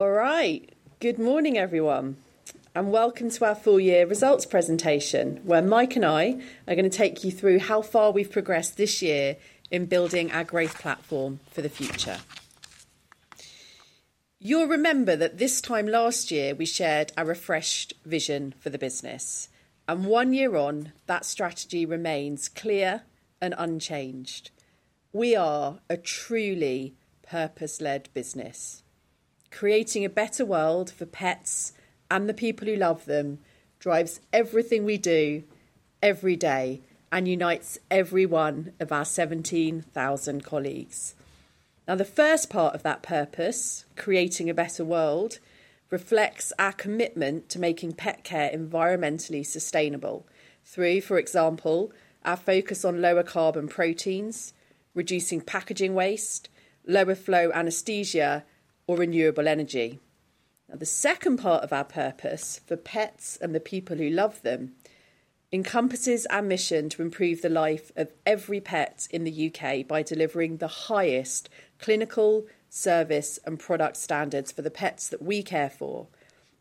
All right. Good morning, everyone, and welcome to our full year results presentation, where Mike and I are gonna take you through how far we've progressed this year in building our growth platform for the future. You'll remember that this time last year, we shared our refreshed vision for the business, and one year on, that strategy remains clear and unchanged. We are a truly purpose-led business. Creating a better world for pets and the people who love them drives everything we do every day and unites every one of our 17,000 colleagues. Now, the first part of that purpose, creating a better world, reflects our commitment to making pet care environmentally sustainable through, for example, our focus on lower carbon proteins, reducing packaging waste, lower flow anesthesia, or renewable energy. Now, the second part of our purpose, for pets and the people who love them, encompasses our mission to improve the life of every pet in the U.K. by delivering the highest clinical service and product standards for the pets that we care for,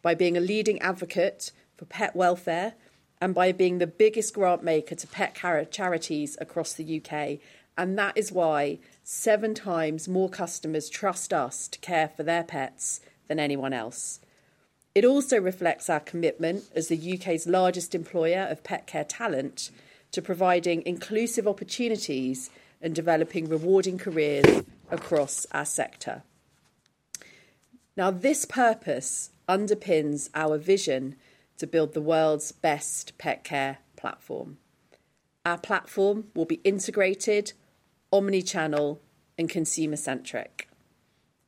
by being a leading advocate for pet welfare, and by being the biggest grant maker to pet care charities across the U.K. That is why 7x more customers trust us to care for their pets than anyone else. It also reflects our commitment as the U.K.'s largest employer of pet care talent to providing inclusive opportunities and developing rewarding careers across our sector. Now, this purpose underpins our vision to build the world's best pet care platform. Our platform will be integrated, omni-channel, and consumer-centric.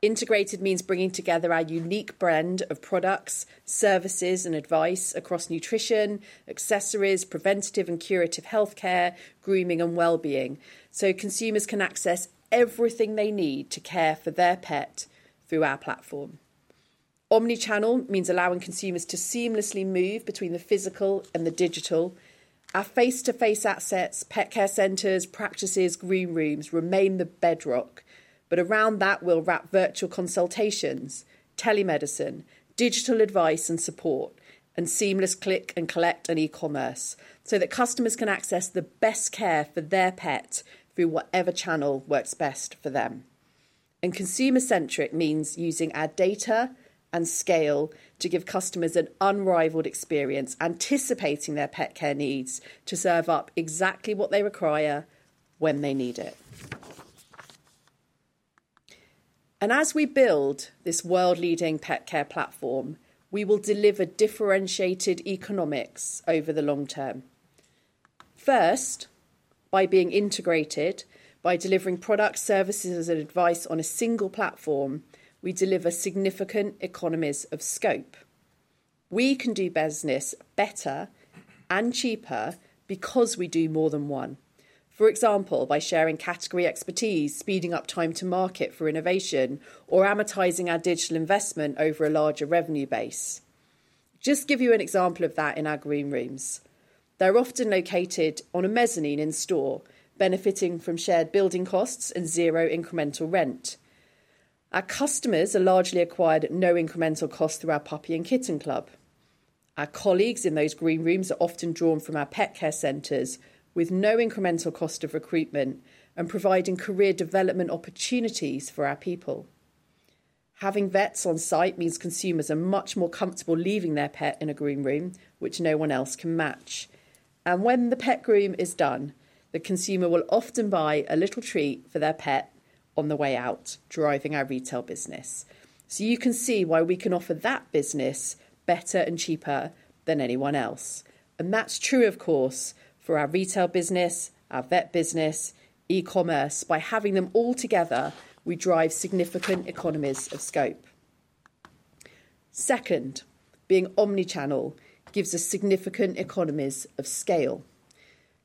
Integrated means bringing together our unique brand of products, services, and advice across nutrition, accessories, preventative and curative healthcare, grooming, and well-being, so consumers can access everything they need to care for their pet through our platform. Omni-channel means allowing consumers to seamlessly move between the physical and the digital. Our face-to-face assets, Pet Care Centres, practices, Groom Rooms remain the bedrock, but around that, we'll wrap virtual consultations, telemedicine, digital advice and support, and seamless click-and-collect, and e-commerce, so that customers can access the best care for their pet through whatever channel works best for them. And consumer-centric means using our data and scale to give customers an unrivaled experience, anticipating their pet care needs to serve up exactly what they require when they need it. And as we build this world-leading pet care platform, we will deliver differentiated economics over the long term. First, by being integrated, by delivering product, services, and advice on a single platform, we deliver significant economies of scope. We can do business better and cheaper because we do more than one. For example, by sharing category expertise, speeding up time to market for innovation, or amortizing our digital investment over a larger revenue base. Just give you an example of that in our Groom Rooms. They're often located on a mezzanine in store, benefiting from shared building costs and zero incremental rent. Our customers are largely acquired at no incremental cost through our Puppy and Kitten Club. Our colleagues in those Groom Rooms are often drawn from our pet care centers with no incremental cost of recruitment and providing career development opportunities for our people. Having vets on site means consumers are much more comfortable leaving their pet in a Groom Room, which no one else can match. When the pet groom is done, the consumer will often buy a little treat for their pet on the way out, driving our retail business. So you can see why we can offer that business better and cheaper than anyone else, and that's true, of course, for our retail business, our vet business, e-commerce. By having them all together, we drive significant economies of scope. Second, being omni-channel gives us significant economies of scale.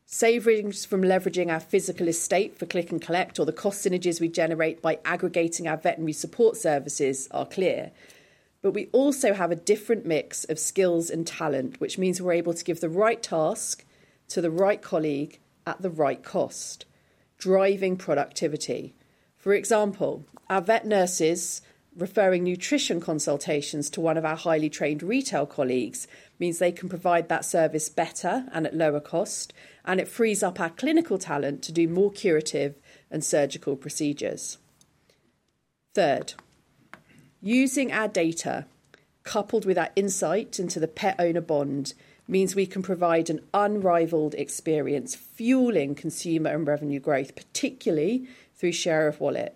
Savings from leveraging our physical estate for click and collect or the cost synergies we generate by aggregating our veterinary support services are clear. But we also have a different mix of skills and talent, which means we're able to give the right task to the right colleague at the right cost, driving productivity. For example, our vet nurses referring nutrition consultations to one of our highly trained retail colleagues means they can provide that service better and at lower cost, and it frees up our clinical talent to do more curative and surgical procedures. Third, using our data, coupled with our insight into the pet-owner bond, means we can provide an unrivaled experience, fueling consumer and revenue growth, particularly through share of wallet.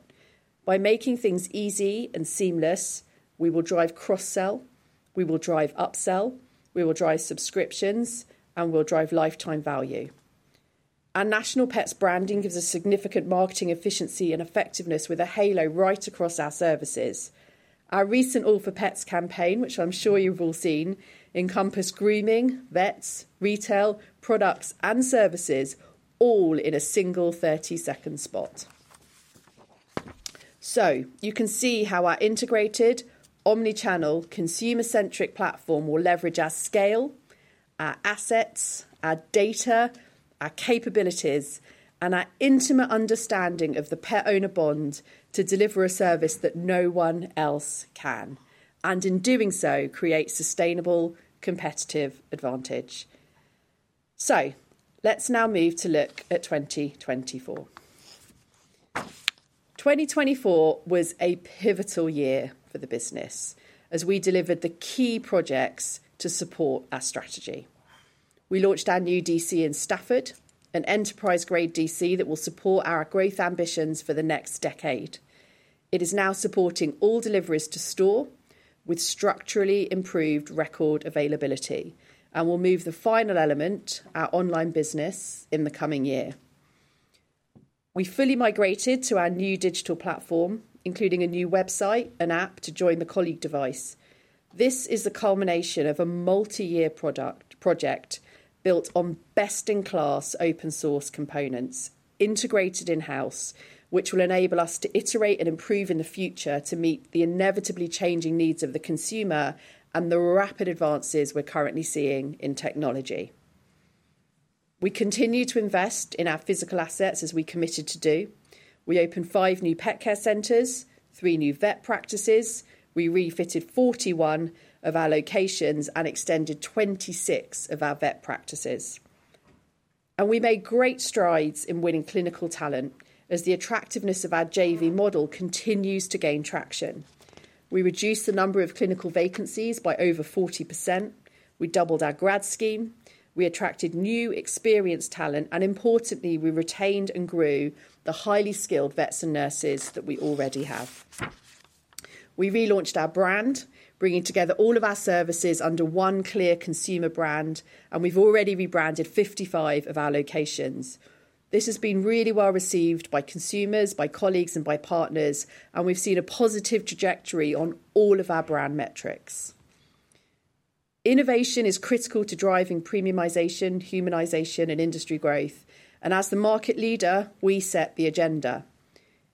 By making things easy and seamless, we will drive cross-sell, we will drive upsell, we will drive subscriptions, and we'll drive lifetime value. Our national Pets branding gives a significant marketing efficiency and effectiveness with a halo right across our services. Our recent All for Pets campaign, which I'm sure you've all seen, encompass grooming, vets, retail, products, and services, all in a single thirty-second spot. So you can see how our integrated, omni-channel, consumer-centric platform will leverage our scale, our assets, our data, our capabilities, and our intimate understanding of the pet owner bond to deliver a service that no one else can, and in doing so, create sustainable competitive advantage. So let's now move to look at 2024. 2024 was a pivotal year for the business as we delivered the key projects to support our strategy. We launched our new DC in Stafford, an enterprise-grade DC that will support our growth ambitions for the next decade. It is now supporting all deliveries to store with structurally improved record availability, and we'll move the final element, our online business, in the coming year. We fully migrated to our new digital platform, including a new website and app, to join the colleague device. This is the culmination of a multi-year product, project built on best-in-class open source components, integrated in-house, which will enable us to iterate and improve in the future to meet the inevitably changing needs of the consumer and the rapid advances we're currently seeing in technology. We continue to invest in our physical assets as we committed to do. We opened five new Pet Care Centres, three new vet practices. We refitted 41 of our locations and extended 26 of our vet practices. We made great strides in winning clinical talent as the attractiveness of our JV model continues to gain traction. We reduced the number of clinical vacancies by over 40%. We doubled our grad scheme, we attracted new, experienced talent, and importantly, we retained and grew the highly skilled vets and nurses that we already have. We relaunched our brand, bringing together all of our services under one clear consumer brand, and we've already rebranded 55 of our locations. This has been really well received by consumers, by colleagues, and by partners, and we've seen a positive trajectory on all of our brand metrics. Innovation is critical to driving premiumization, humanization, and industry growth, and as the market leader, we set the agenda.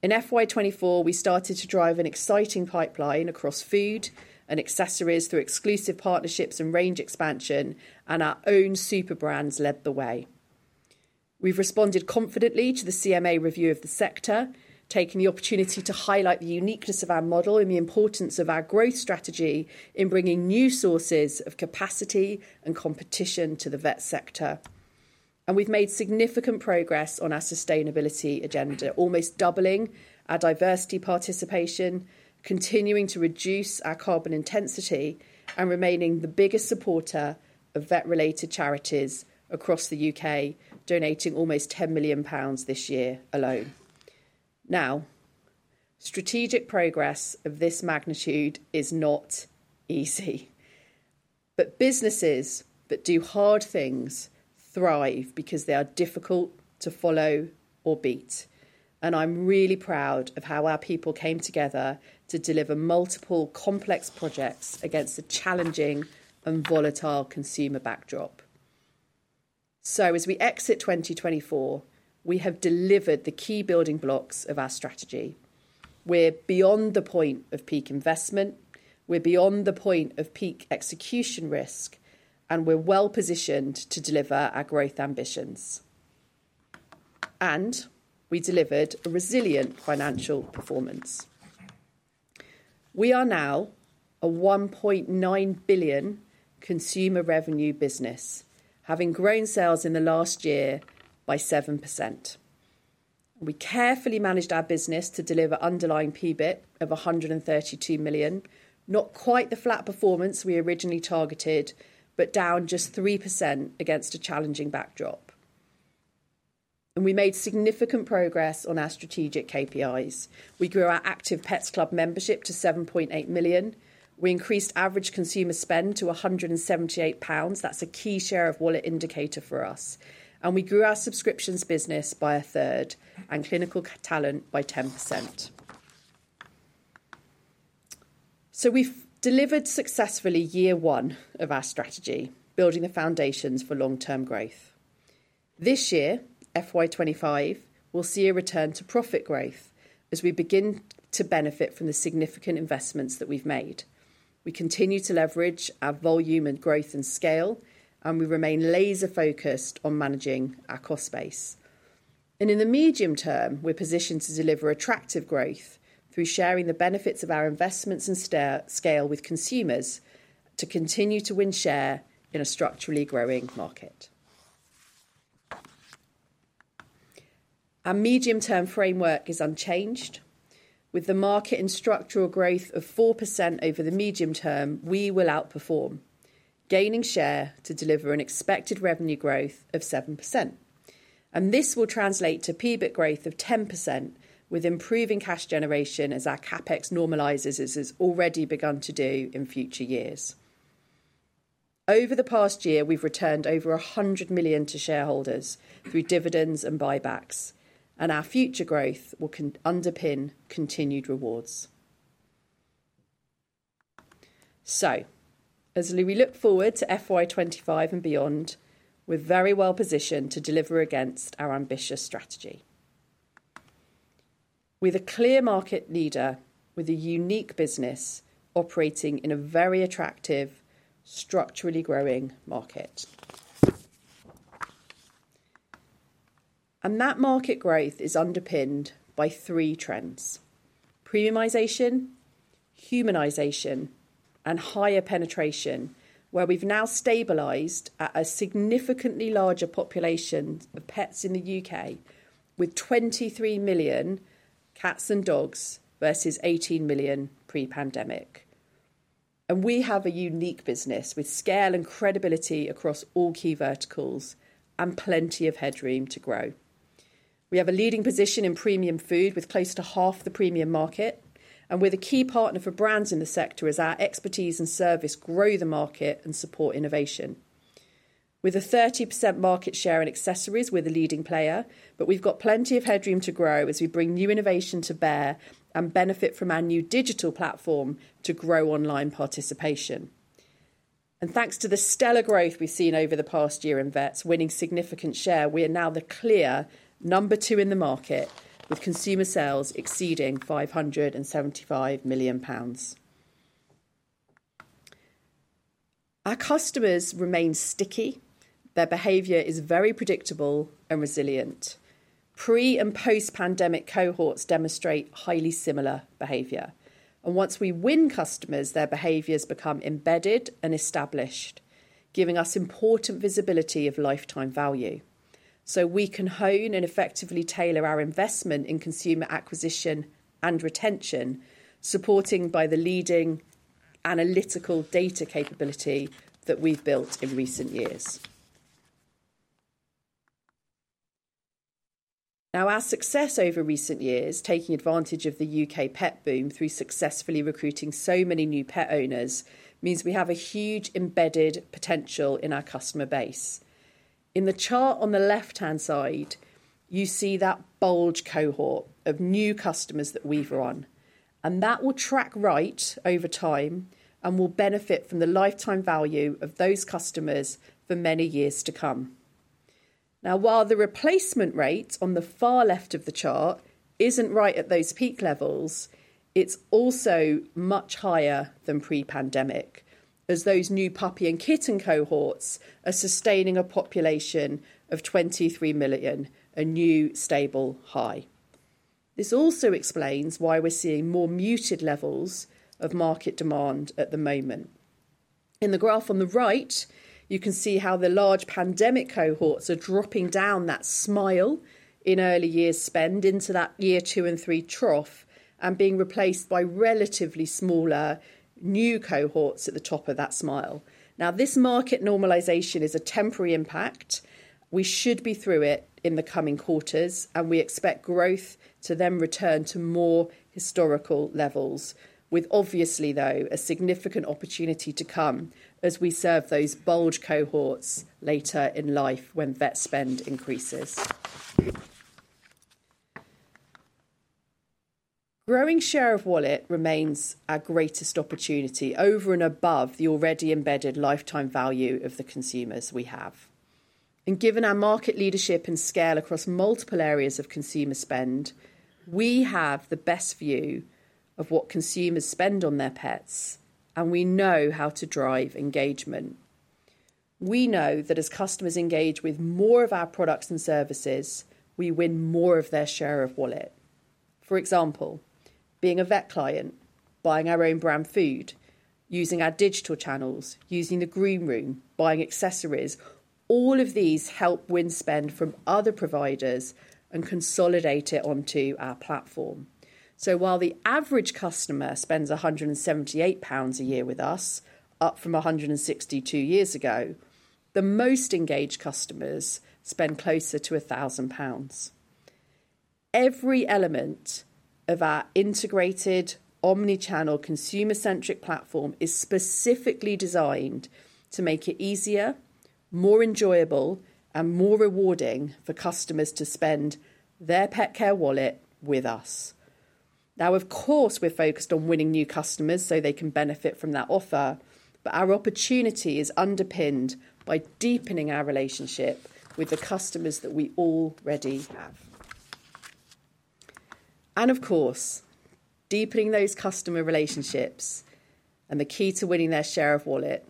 In FY 2024, we started to drive an exciting pipeline across food and accessories through exclusive partnerships and range expansion, and our own super brands led the way. We've responded confidently to the CMA review of the sector, taking the opportunity to highlight the uniqueness of our model and the importance of our growth strategy in bringing new sources of capacity and competition to the vet sector. We've made significant progress on our sustainability agenda, almost doubling our diversity participation, continuing to reduce our carbon intensity, and remaining the biggest supporter of vet-related charities across the U.K., donating almost 10 million pounds this year alone. Now, strategic progress of this magnitude is not easy, but businesses that do hard things thrive because they are difficult to follow or beat. I'm really proud of how our people came together to deliver multiple complex projects against a challenging and volatile consumer backdrop. As we exit 2024, we have delivered the key building blocks of our strategy. We're beyond the point of peak investment, we're beyond the point of peak execution risk, and we're well-positioned to deliver our growth ambitions. We delivered a resilient financial performance. We are now a 1.9 billion consumer revenue business, having grown sales in the last year by 7%. We carefully managed our business to deliver underlying PBT of 132 million. Not quite the flat performance we originally targeted, but down just 3% against a challenging backdrop, and we made significant progress on our strategic KPIs. We grew our active Pets Club membership to 7.8 million. We increased average consumer spend to 178 pounds. That's a key share of wallet indicator for us, and we grew our subscriptions business by 1/3 and clinical talent by 10%. So we've delivered successfully year one of our strategy, building the foundations for long-term growth. This year, FY 2025, will see a return to profit growth as we begin to benefit from the significant investments that we've made. We continue to leverage our volume and growth and scale, and we remain laser-focused on managing our cost base. In the medium term, we're positioned to deliver attractive growth through sharing the benefits of our investments and scale with consumers to continue to win share in a structurally growing market. Our medium-term framework is unchanged. With the market and structural growth of 4% over the medium term, we will outperform, gaining share to deliver an expected revenue growth of 7%, and this will translate to PBIT growth of 10%, with improving cash generation as our CapEx normalizes, as it's already begun to do in future years. Over the past year, we've returned over 100 million to shareholders through dividends and buybacks, and our future growth will continue to underpin continued rewards. As we look forward to FY 2025 and beyond, we're very well positioned to deliver against our ambitious strategy. We're the clear market leader with a unique business operating in a very attractive, structurally growing market. That market growth is underpinned by three trends: premiumization, humanization, and higher penetration, where we've now stabilized at a significantly larger population of pets in the U.K., with 23 million cats and dogs versus 18 million pre-pandemic. We have a unique business with scale and credibility across all key verticals and plenty of headroom to grow. We have a leading position in premium food, with close to half the premium market, and we're a key partner for brands in the sector as our expertise and service grow the market and support innovation. With a 30% market share in accessories, we're the leading player, but we've got plenty of headroom to grow as we bring new innovation to bear and benefit from our new digital platform to grow online participation. Thanks to the stellar growth we've seen over the past year in vets, winning significant share, we are now the clear number two in the market, with consumer sales exceeding 575 million pounds. Our customers remain sticky. Their behavior is very predictable and resilient. Pre and post-pandemic cohorts demonstrate highly similar behavior, and once we win customers, their behaviors become embedded and established, giving us important visibility of lifetime value. We can hone and effectively tailor our investment in consumer acquisition and retention, supported by the leading analytical data capability that we've built in recent years. Now, our success over recent years, taking advantage of the U.K. pet boom through successfully recruiting so many new pet owners, means we have a huge embedded potential in our customer base. In the chart on the left-hand side, you see that bulge cohort of new customers that we've run, and that will track right over time and will benefit from the lifetime value of those customers for many years to come. Now, while the replacement rate on the far left of the chart isn't right at those peak levels, it's also much higher than pre-pandemic, as those new puppy and kitten cohorts are sustaining a population of 23 million, a new stable high. This also explains why we're seeing more muted levels of market demand at the moment. In the graph on the right, you can see how the large pandemic cohorts are dropping down that smile in early year spend into that year two and three trough and being replaced by relatively smaller new cohorts at the top of that smile. Now, this market normalization is a temporary impact. We should be through it in the coming quarters, and we expect growth to then return to more historical levels, with obviously, though, a significant opportunity to come as we serve those bulge cohorts later in life when vet spend increases. Growing share of wallet remains our greatest opportunity over and above the already embedded lifetime value of the consumers we have. And given our market leadership and scale across multiple areas of consumer spend, we have the best view of what consumers spend on their pets, and we know how to drive engagement. We know that as customers engage with more of our products and services, we win more of their share of wallet. For example, being a vet client, buying our own brand food, using our digital channels, using the Groom Room, buying accessories, all of these help win spend from other providers and consolidate it onto our platform. So while the average customer spends 178 pounds a year with us, up from 162 years ago, the most engaged customers spend closer to 1,000 pounds. Every element of our integrated, omni-channel, consumer-centric platform is specifically designed to make it easier, more enjoyable, and more rewarding for customers to spend their pet care wallet with us. Now, of course, we're focused on winning new customers so they can benefit from that offer, but our opportunity is underpinned by deepening our relationship with the customers that we already have. And of course, deepening those customer relationships, and the key to winning their share of wallet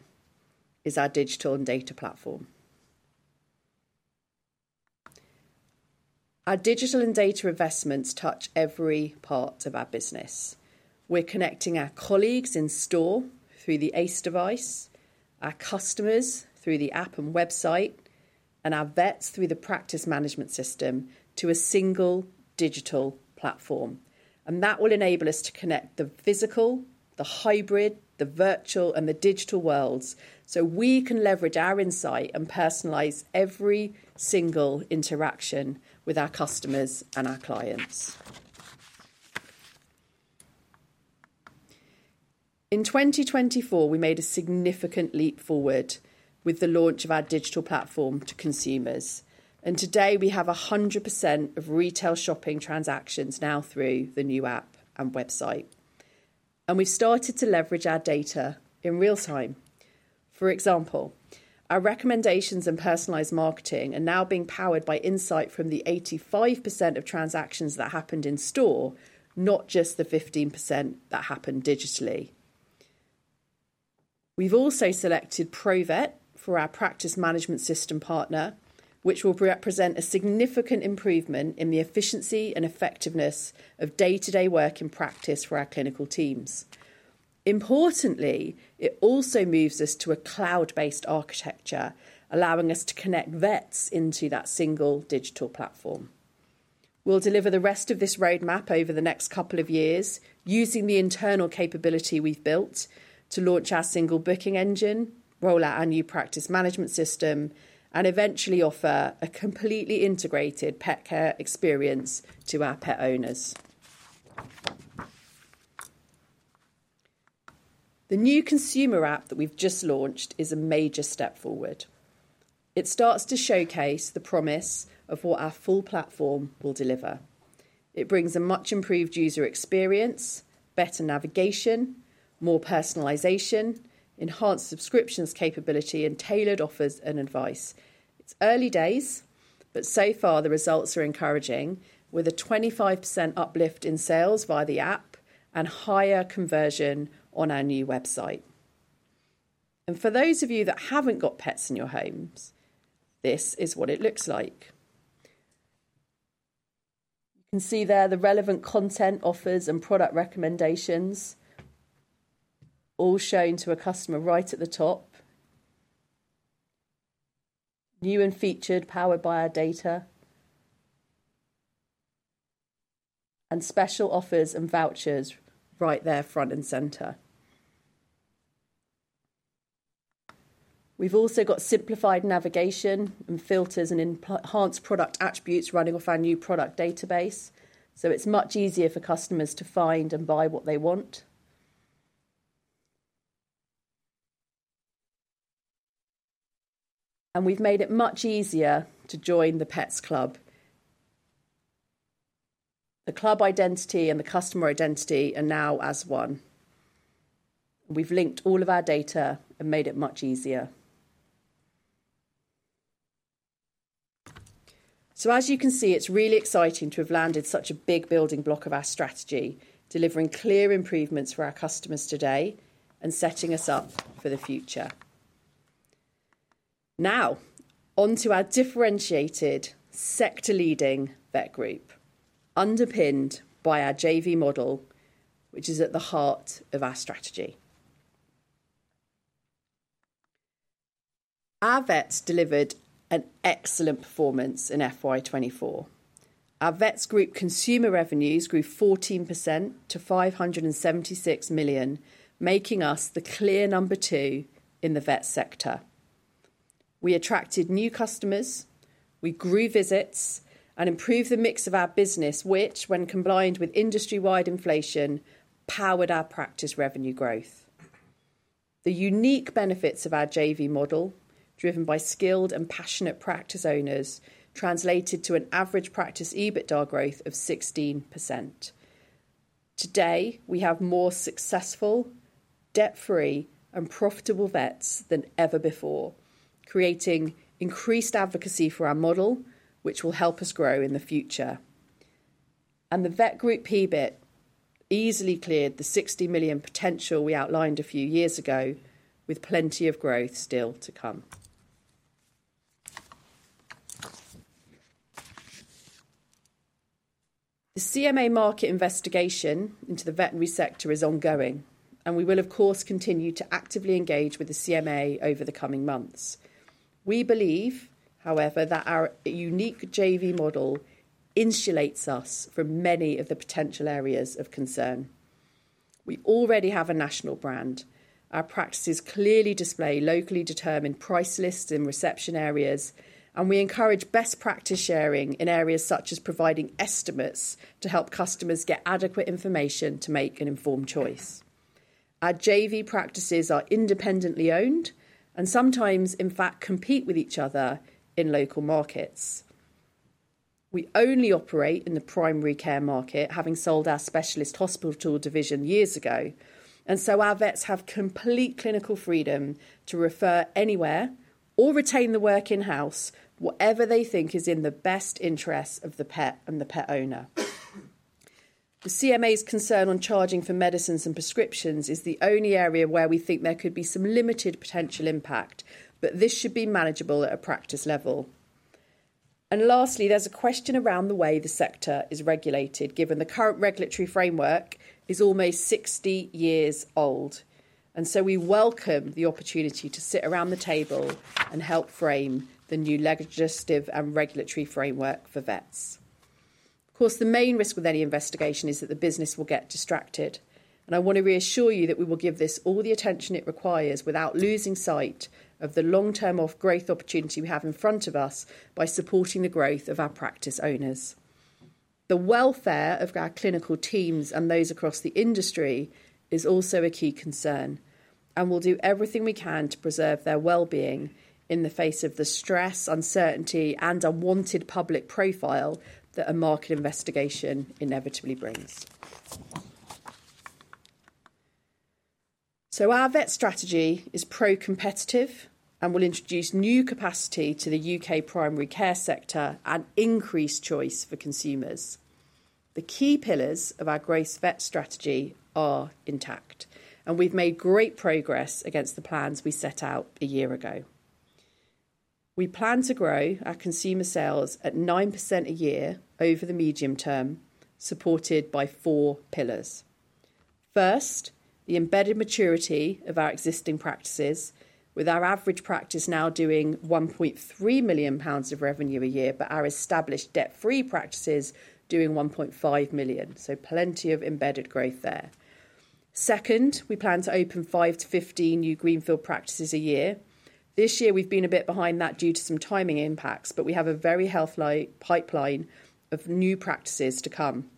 is our digital and data platform. Our digital and data investments touch every part of our business. We're connecting our colleagues in store through the ACE device, our customers through the app and website, and our vets through the practice management system to a single digital platform. And that will enable us to connect the physical, the hybrid, the virtual, and the digital worlds, so we can leverage our insight and personalize every single interaction with our customers and our clients. In 2024, we made a significant leap forward with the launch of our digital platform to consumers, and today, we have 100% of retail shopping transactions now through the new app and website, and we've started to leverage our data in real time. For example, our recommendations and personalized marketing are now being powered by insight from the 85% of transactions that happened in store, not just the 15% that happened digitally. We've also selected Provet for our practice management system partner, which will represent a significant improvement in the efficiency and effectiveness of day-to-day work and practice for our clinical teams. Importantly, it also moves us to a cloud-based architecture, allowing us to connect vets into that single digital platform. We'll deliver the rest of this roadmap over the next couple of years, using the internal capability we've built to launch our single booking engine, roll out our new practice management system, and eventually offer a completely integrated pet care experience to our pet owners. The new consumer app that we've just launched is a major step forward. It starts to showcase the promise of what our full platform will deliver. It brings a much improved user experience, better navigation, more personalization, enhanced subscriptions capability, and tailored offers and advice. It's early days, but so far the results are encouraging, with a 25% uplift in sales via the app and higher conversion on our new website. For those of you that haven't got pets in your homes, this is what it looks like. You can see there the relevant content, offers, and product recommendations all shown to a customer right at the top. New and featured, powered by our data, and special offers and vouchers right there, front and center. We've also got simplified navigation and filters and enhanced product attributes running off our new product database, so it's much easier for customers to find and buy what they want. We've made it much easier to join the Pets Club. The club identity and the customer identity are now as one. We've linked all of our data and made it much easier. So as you can see, it's really exciting to have landed such a big building block of our strategy, delivering clear improvements for our customers today and setting us up for the future. Now, onto our differentiated sector-leading vet group, underpinned by our JV model, which is at the heart of our strategy. Our vets delivered an excellent performance in FY 2024. Our vets group consumer revenues grew 14% to 576 million, making us the clear number two in the vet sector. We attracted new customers, we grew visits, and improved the mix of our business, which, when combined with industry-wide inflation, powered our practice revenue growth. The unique benefits of our JV model, driven by skilled and passionate practice owners, translated to an average practice EBITDA growth of 16%. Today, we have more successful, debt-free, and profitable vets than ever before, creating increased advocacy for our model, which will help us grow in the future. The vet group PBT easily cleared the 60 million potential we outlined a few years ago, with plenty of growth still to come. The CMA market investigation into the veterinary sector is ongoing, and we will, of course, continue to actively engage with the CMA over the coming months. We believe, however, that our unique JV model insulates us from many of the potential areas of concern. We already have a national brand. Our practices clearly display locally determined price lists in reception areas, and we encourage best practice sharing in areas such as providing estimates to help customers get adequate information to make an informed choice. Our JV practices are independently owned and sometimes, in fact, compete with each other in local markets. We only operate in the primary care market, having sold our specialist hospital to a division years ago, and so our vets have complete clinical freedom to refer anywhere or retain the work in-house, whatever they think is in the best interest of the pet and the pet owner. The CMA's concern on charging for medicines and prescriptions is the only area where we think there could be some limited potential impact, but this should be manageable at a practice level. Lastly, there's a question around the way the sector is regulated, given the current regulatory framework is almost 60 years old, and so we welcome the opportunity to sit around the table and help frame the new legislative and regulatory framework for vets. Of course, the main risk with any investigation is that the business will get distracted, and I want to reassure you that we will give this all the attention it requires without losing sight of the long-term of growth opportunity we have in front of us by supporting the growth of our practice owners. The welfare of our clinical teams and those across the industry is also a key concern, and we'll do everything we can to preserve their well-being in the face of the stress, uncertainty, and unwanted public profile that a market investigation inevitably brings. So our vet strategy is pro-competitive and will introduce new capacity to the U.K. primary care sector and increase choice for consumers. The key pillars of our growth vet strategy are intact, and we've made great progress against the plans we set out a year ago. We plan to grow our consumer sales at 9% a year over the medium term, supported by four pillars. First, the embedded maturity of our existing practices, with our average practice now doing 1.3 million pounds of revenue a year, but our established debt-free practices doing 1.5 million, so plenty of embedded growth there. Second, we plan to open five to 15 new greenfield practices a year. This year we've been a bit behind that due to some timing impacts, but we have a very healthy pipeline of new practices to come.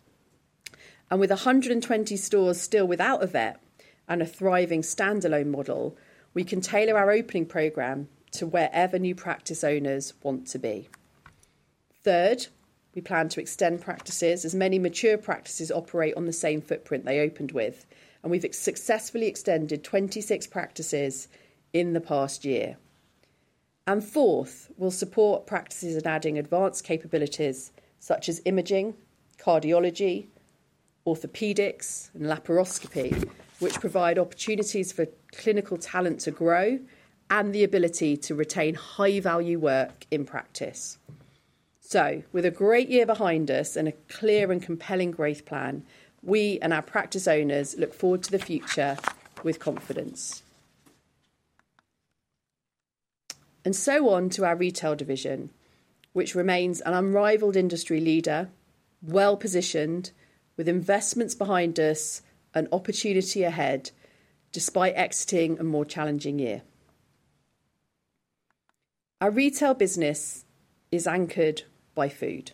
And with 120 stores still without a vet and a thriving standalone model, we can tailor our opening program to wherever new practice owners want to be. Third, we plan to extend practices, as many mature practices operate on the same footprint they opened with, and we've successfully extended 26 practices in the past year. And fourth, we'll support practices in adding advanced capabilities such as imaging, cardiology, orthopedics, and laparoscopy, which provide opportunities for clinical talent to grow and the ability to retain high-value work in practice. So with a great year behind us and a clear and compelling growth plan, we and our practice owners look forward to the future with confidence. And so on to our retail division, which remains an unrivaled industry leader, well-positioned, with investments behind us and opportunity ahead, despite exiting a more challenging year. Our retail business is anchored by food,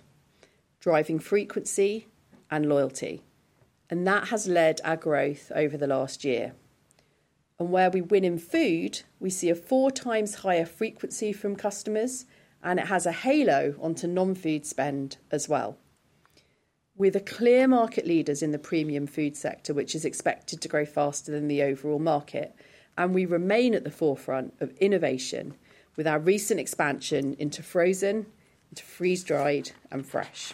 driving frequency and loyalty, and that has led our growth over the last year. Where we win in food, we see a 4x higher frequency from customers, and it has a halo onto non-food spend as well. We're the clear market leaders in the premium food sector, which is expected to grow faster than the overall market, and we remain at the forefront of innovation with our recent expansion into frozen, to freeze-dried, and fresh.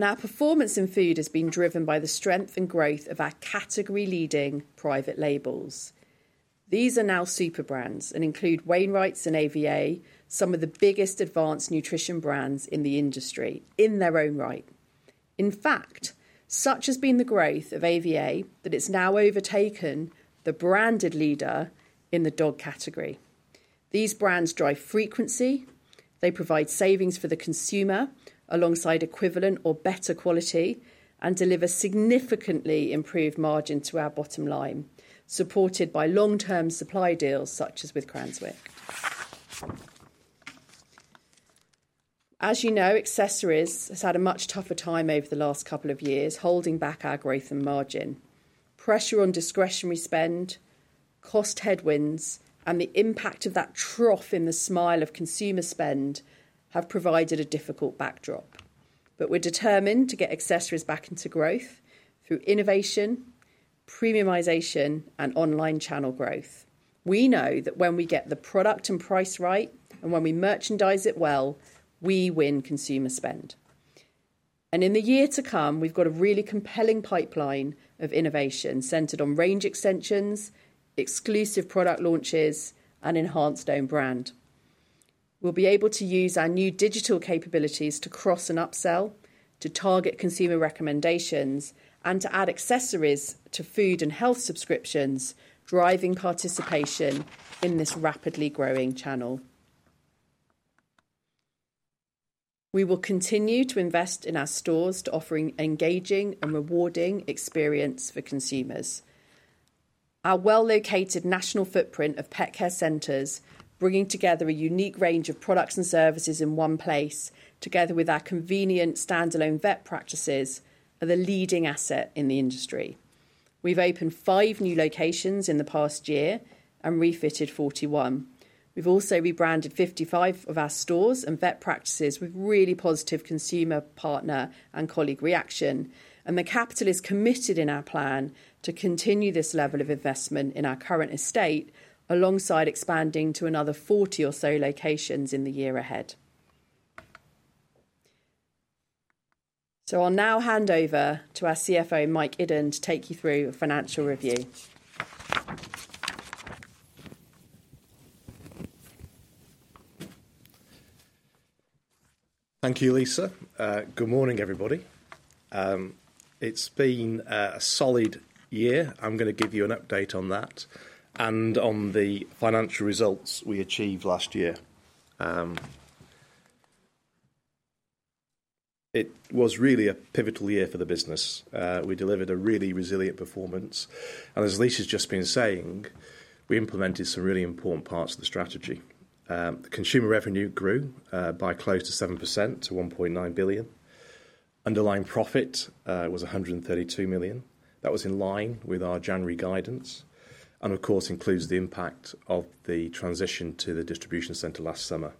Our performance in food has been driven by the strength and growth of our category-leading private labels. These are now super brands and include Wainwright's and AVA, some of the biggest advanced nutrition brands in the industry in their own right. In fact, such has been the growth of AVA that it's now overtaken the branded leader in the dog category. These brands drive frequency, they provide savings for the consumer alongside equivalent or better quality, and deliver significantly improved margin to our bottom line, supported by long-term supply deals, such as with Cranswick. As you know, accessories has had a much tougher time over the last couple of years, holding back our growth and margin. Pressure on discretionary spend, cost headwinds, and the impact of that trough in the smile of consumer spend have provided a difficult backdrop. But we're determined to get accessories back into growth through innovation, premiumization, and online channel growth. We know that when we get the product and price right, and when we merchandise it well, we win consumer spend. And in the year to come, we've got a really compelling pipeline of innovation centered on range extensions, exclusive product launches, and enhanced own brand. We'll be able to use our new digital capabilities to cross and upsell, to target consumer recommendations, and to add accessories to food and health subscriptions, driving participation in this rapidly growing channel. We will continue to invest in our stores to offering engaging and rewarding experience for consumers. Our well-located national footprint of Pet Care Centres, bringing together a unique range of products and services in one place, together with our convenient standalone vet practices, are the leading asset in the industry. We've opened five new locations in the past year and refitted 41. We've also rebranded 55 of our stores and vet practices with really positive consumer, partner, and colleague reaction, and the capital is committed in our plan to continue this level of investment in our current estate, alongside expanding to another 40 or so locations in the year ahead. I'll now hand over to our CFO, Mike Iddon, to take you through a financial review. Thank you, Lyssa. Good morning, everybody. It's been a solid year. I'm gonna give you an update on that and on the financial results we achieved last year. It was really a pivotal year for the business. We delivered a really resilient performance, and as Lyssa's just been saying, we implemented some really important parts of the strategy. The consumer revenue grew close to 7% to 1.9 billion. Underlying profit was 132 million. That was in line with our January guidance, and of course, includes the impact of the transition to the distribution center last summer.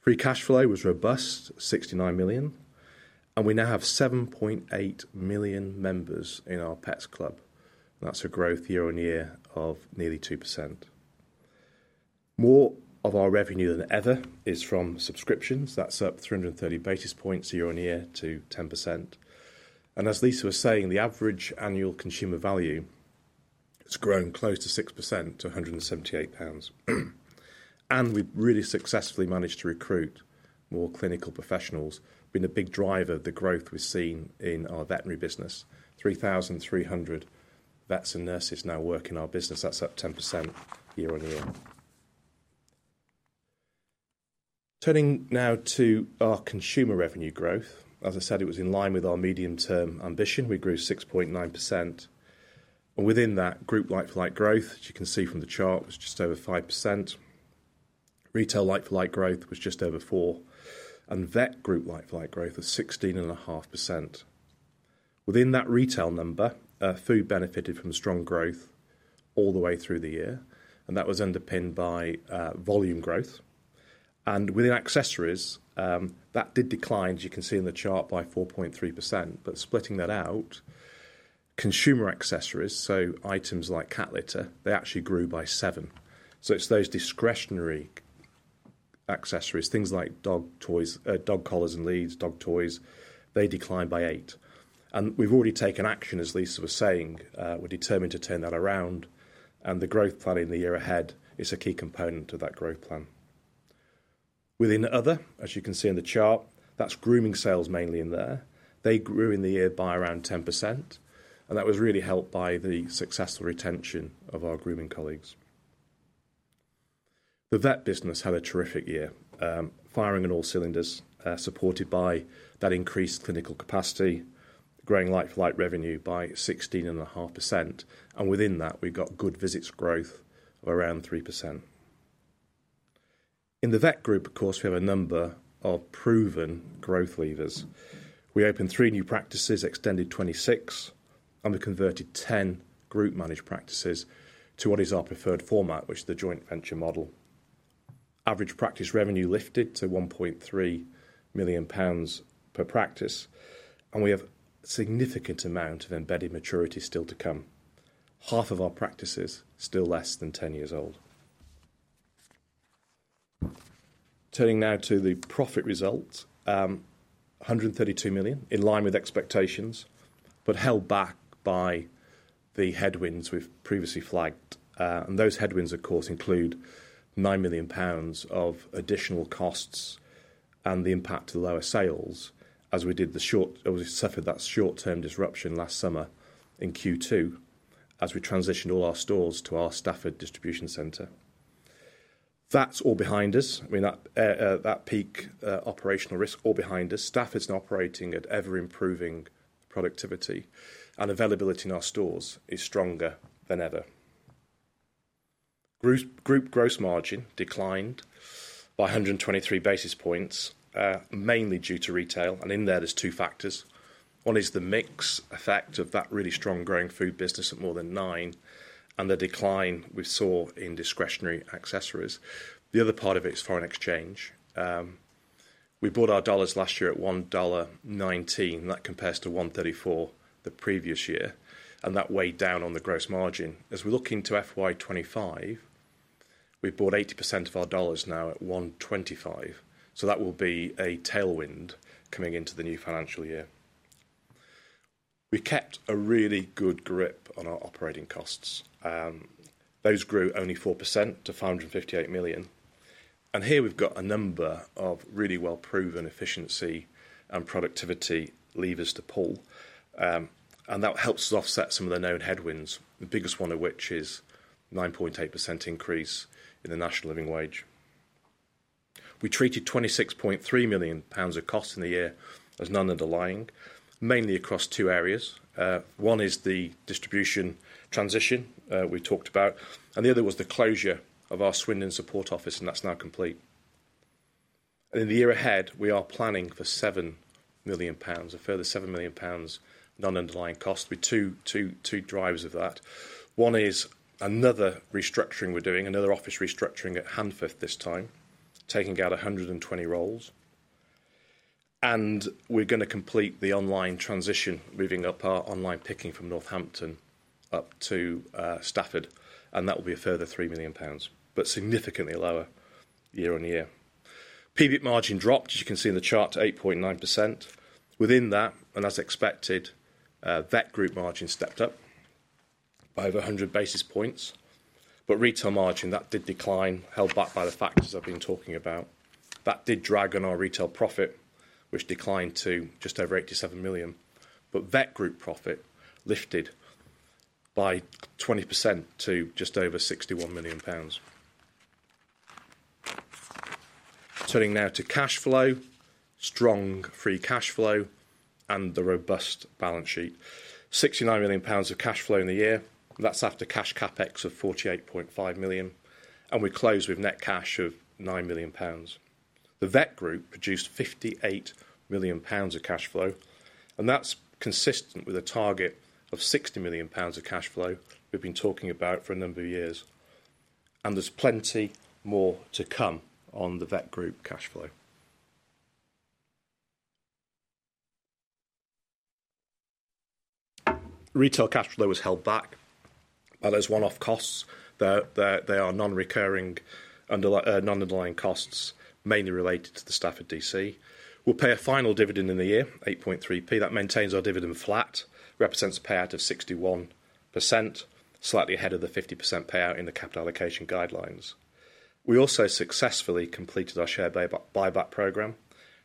Free cash flow was robust, 69 million, and we now have 7.8 million members in our Pets Club. That's a growth year-on-year of nearly 2%. More of our revenue than ever is from subscriptions. That's up 330 basis points year-on-year to 10%. As Lyssa was saying, the average annual consumer value has grown close to 6% to 178 pounds. We've really successfully managed to recruit more clinical professionals, being a big driver of the growth we've seen in our veterinary business. 3,300 vets and nurses now work in our business. That's up 10% year-on-year. Turning now to our consumer revenue growth. As I said, it was in line with our medium-term ambition. We grew 6.9%, and within that group, like-for-like growth, as you can see from the chart, was just over 5%. Retail like-for-like growth was just over 4%, and vet group like-for-like growth was 16.5%. Within that retail number, food benefited from strong growth all the way through the year, and that was underpinned by volume growth. Within accessories, that did decline, as you can see in the chart, by 4.3%, but splitting that out, consumer accessories, so items like cat litter, they actually grew by 7%. So it's those discretionary accessories, things like dog toys, dog collars and leads, dog toys, they declined by 8%. We've already taken action, as Lyssa was saying. We're determined to turn that around, and the growth planning in the year ahead is a key component of that growth plan. Within other, as you can see in the chart, that's grooming sales mainly in there. They grew in the year by around 10%, and that was really helped by the successful retention of our grooming colleagues. The vet business had a terrific year, firing on all cylinders, supported by that increased clinical capacity, growing like-for-like revenue by 16.5%, and within that, we've got good visits growth of around 3%. In the vet group, of course, we have a number of proven growth levers. We opened three new practices, extended 26, and we converted 10 group managed practices to what is our preferred format, which is the joint venture model. Average practice revenue lifted to 1.3 million pounds per practice, and we have a significant amount of embedded maturity still to come. Half of our practice is still less than 10 years old. Turning now to the profit results, 132 million, in line with expectations, but held back by the headwinds we've previously flagged. And those headwinds, of course, include 9 million pounds of additional costs and the impact to lower sales, as we suffered that short-term disruption last summer in Q2, as we transitioned all our stores to our Stafford distribution center. That's all behind us. I mean, that peak operational risk all behind us. Stafford is now operating at ever-improving productivity, and availability in our stores is stronger than ever. Group gross margin declined by 123 basis points, mainly due to retail, and in there, there's 2 factors. One is the mix effect of that really strong growing food business of more than nine and the decline we saw in discretionary accessories. The other part of it is foreign exchange. We bought our dollars last year at $1.19, that compares to $1.34 the previous year, and that weighed down on the gross margin. As we look into FY 2025, we bought 80% of our dollars now at $1.25, so that will be a tailwind coming into the new financial year. We kept a really good grip on our operating costs. Those grew only 4% to 558 million. Here we've got a number of really well-proven efficiency and productivity levers to pull. That helps us offset some of the known headwinds, the biggest one of which is 9.8% increase in the National Living Wage. We treated 26.3 million pounds of cost in the year as non-underlying, mainly across two areas. One is the distribution transition we talked about, and the other was the closure of our Swindon support office, and that's now complete. In the year ahead, we are planning for 7 million pounds, a further 7 million pounds non-underlying cost. With two, two, two drivers of that. One is another restructuring we're doing, another office restructuring at Handforth this time, taking out 120 roles. And we're going to complete the online transition, moving up our online picking from Northampton up to Stafford, and that will be a further 3 million pounds, but significantly lower year-on-year. PBT margin dropped, as you can see in the chart, to 8.9%. Within that, and as expected, vet group margin stepped up by over 100 basis points, but retail margin, that did decline, held back by the factors I've been talking about. That did drag on our retail profit, which declined to just over 87 million. But vet group profit lifted by 20% to just over 61 million pounds. Turning now to cash flow, strong free cash flow, and the robust balance sheet. 69 million pounds of cash flow in the year, that's after cash CapEx of 48.5 million, and we close with net cash of 9 million pounds. The vet group produced 58 million pounds of cash flow, and that's consistent with a target of 60 million pounds of cash flow we've been talking about for a number of years, and there's plenty more to come on the vet group cash flow. Retail cash flow was held back by those one-off costs, they are non-recurring non-underlying costs, mainly related to the Stafford DC. We'll pay a final dividend in the year, 0.083. That maintains our dividend flat, represents a payout of 61%, slightly ahead of the 50% payout in the capital allocation guidelines. We also successfully completed our share buyback program,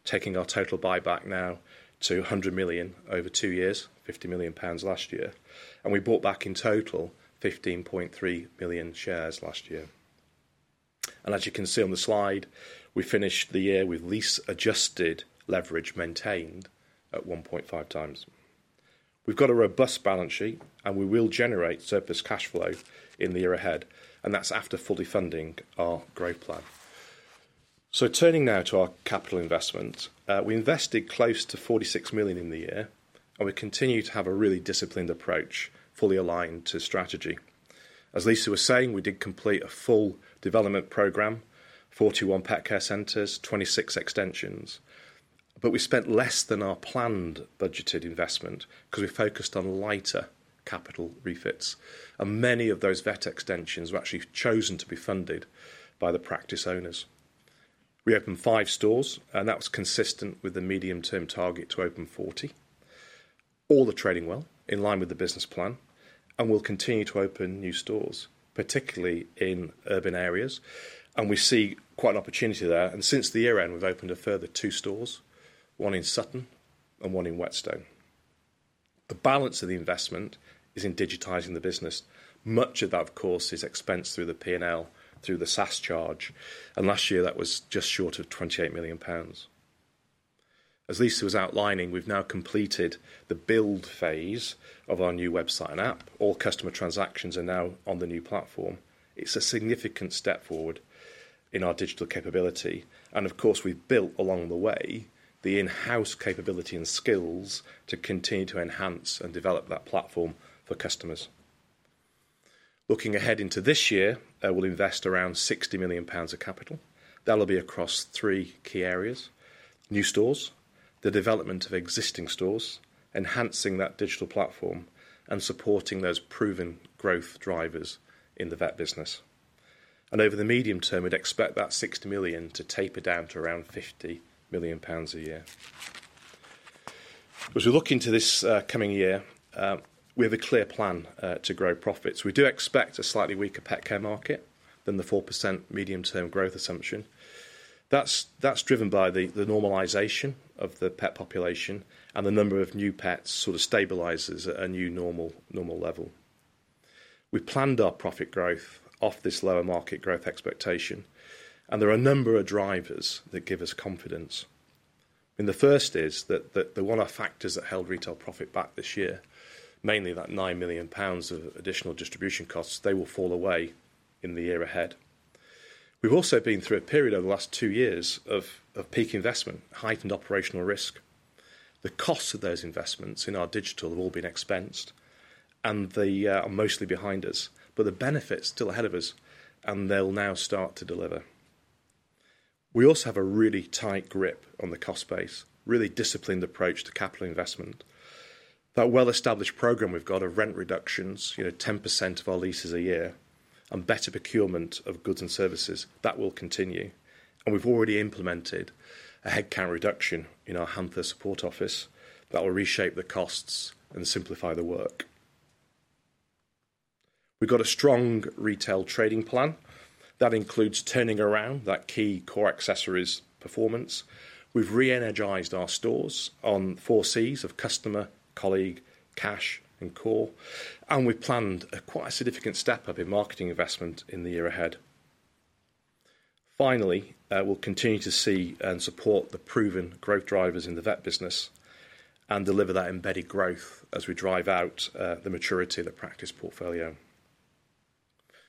taking our total buyback now to 100 million over two years, 50 million pounds last year, and we bought back in total 15.3 million shares last year. And as you can see on the slide, we finished the year with lease adjusted leverage maintained at 1.5x. We've got a robust balance sheet, and we will generate surplus cash flow in the year ahead, and that's after fully funding our growth plan. Turning now to our capital investment. We invested close to 46 million in the year, and we continue to have a really disciplined approach, fully aligned to strategy. As Lyssa was saying, we did complete a full development program, 41 Pet Care Centres, 26 extensions, but we spent less than our planned budgeted investment because we focused on lighter capital refits, and many of those vet extensions were actually chosen to be funded by the practice owners. We opened five stores, and that was consistent with the medium-term target to open 40. All are trading well, in line with the business plan, and we'll continue to open new stores, particularly in urban areas, and we see quite an opportunity there. And since the year end, we've opened a further two stores, one in Sutton and one in Whetstone. The balance of the investment is in digitizing the business. Much of that, of course, is expensed through the P&L, through the SaaS charge, and last year that was just short of 28 million pounds. As Lyssa was outlining, we've now completed the build phase of our new website and app. All customer transactions are now on the new platform. It's a significant step forward in our digital capability, and of course, we've built along the way the in-house capability and skills to continue to enhance and develop that platform for customers. Looking ahead into this year, I will invest around 60 million pounds of capital. That'll be across three key areas: new stores, the development of existing stores, enhancing that digital platform, and supporting those proven growth drivers in the vet business. And over the medium term, we'd expect that 60 million to taper down to around 50 million pounds a year. As we look into this coming year, we have a clear plan to grow profits. We do expect a slightly weaker pet care market than the 4% medium-term growth assumption. That's driven by the normalization of the pet population and the number of new pets sort of stabilizes at a new normal level. We've planned our profit growth off this lower market growth expectation, and there are a number of drivers that give us confidence. The first is that the one-off factors that held retail profit back this year, mainly that 9 million pounds of additional distribution costs, they will fall away in the year ahead. We've also been through a period over the last two years of peak investment, heightened operational risk. The costs of those investments in our digital have all been expensed and they are mostly behind us, but the benefit's still ahead of us, and they'll now start to deliver. We also have a really tight grip on the cost base, really disciplined approach to capital investment. That well-established program we've got of rent reductions, you know, 10% of our leases a year, and better procurement of goods and services, that will continue, and we've already implemented a headcount reduction in our Handforth support office that will reshape the costs and simplify the work. We've got a strong retail trading plan that includes turning around that key core accessories performance. We've re-energized our stores on four Cs of customer, colleague, cash, and core, and we've planned a quite significant step up in marketing investment in the year ahead. Finally, we'll continue to see and support the proven growth drivers in the vet business and deliver that embedded growth as we drive out the maturity of the practice portfolio.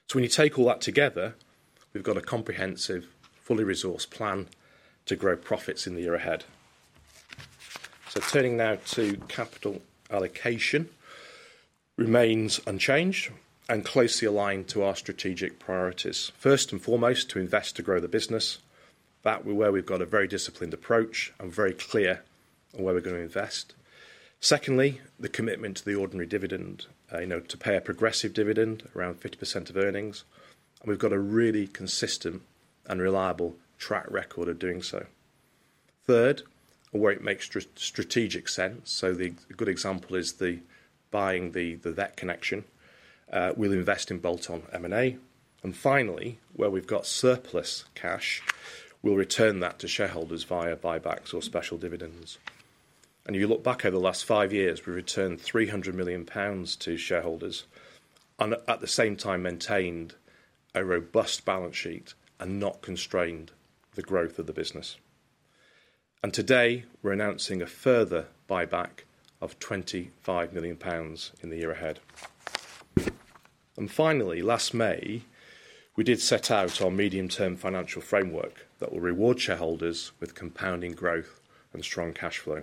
So when you take all that together, we've got a comprehensive, fully resourced plan to grow profits in the year ahead. So, turning now to capital allocation remains unchanged and closely aligned to our strategic priorities. First and foremost, to invest to grow the business. That's where we've got a very disciplined approach and very clear on where we're going to invest. Secondly, the commitment to the ordinary dividend, you know, to pay a progressive dividend around 50% of earnings, and we've got a really consistent and reliable track record of doing so. Third, where it makes strategic sense, so the good example is buying the Vet Connection. We'll invest in bolt-on M&A. And finally, where we've got surplus cash, we'll return that to shareholders via buybacks or special dividends. And you look back over the last five years, we've returned 300 million pounds to shareholders, and at the same time maintained a robust balance sheet and not constrained the growth of the business. And today, we're announcing a further buyback of GBP 25 million in the year ahead. And finally, last May, we did set out our medium-term financial framework that will reward shareholders with compounding growth and strong cash flow.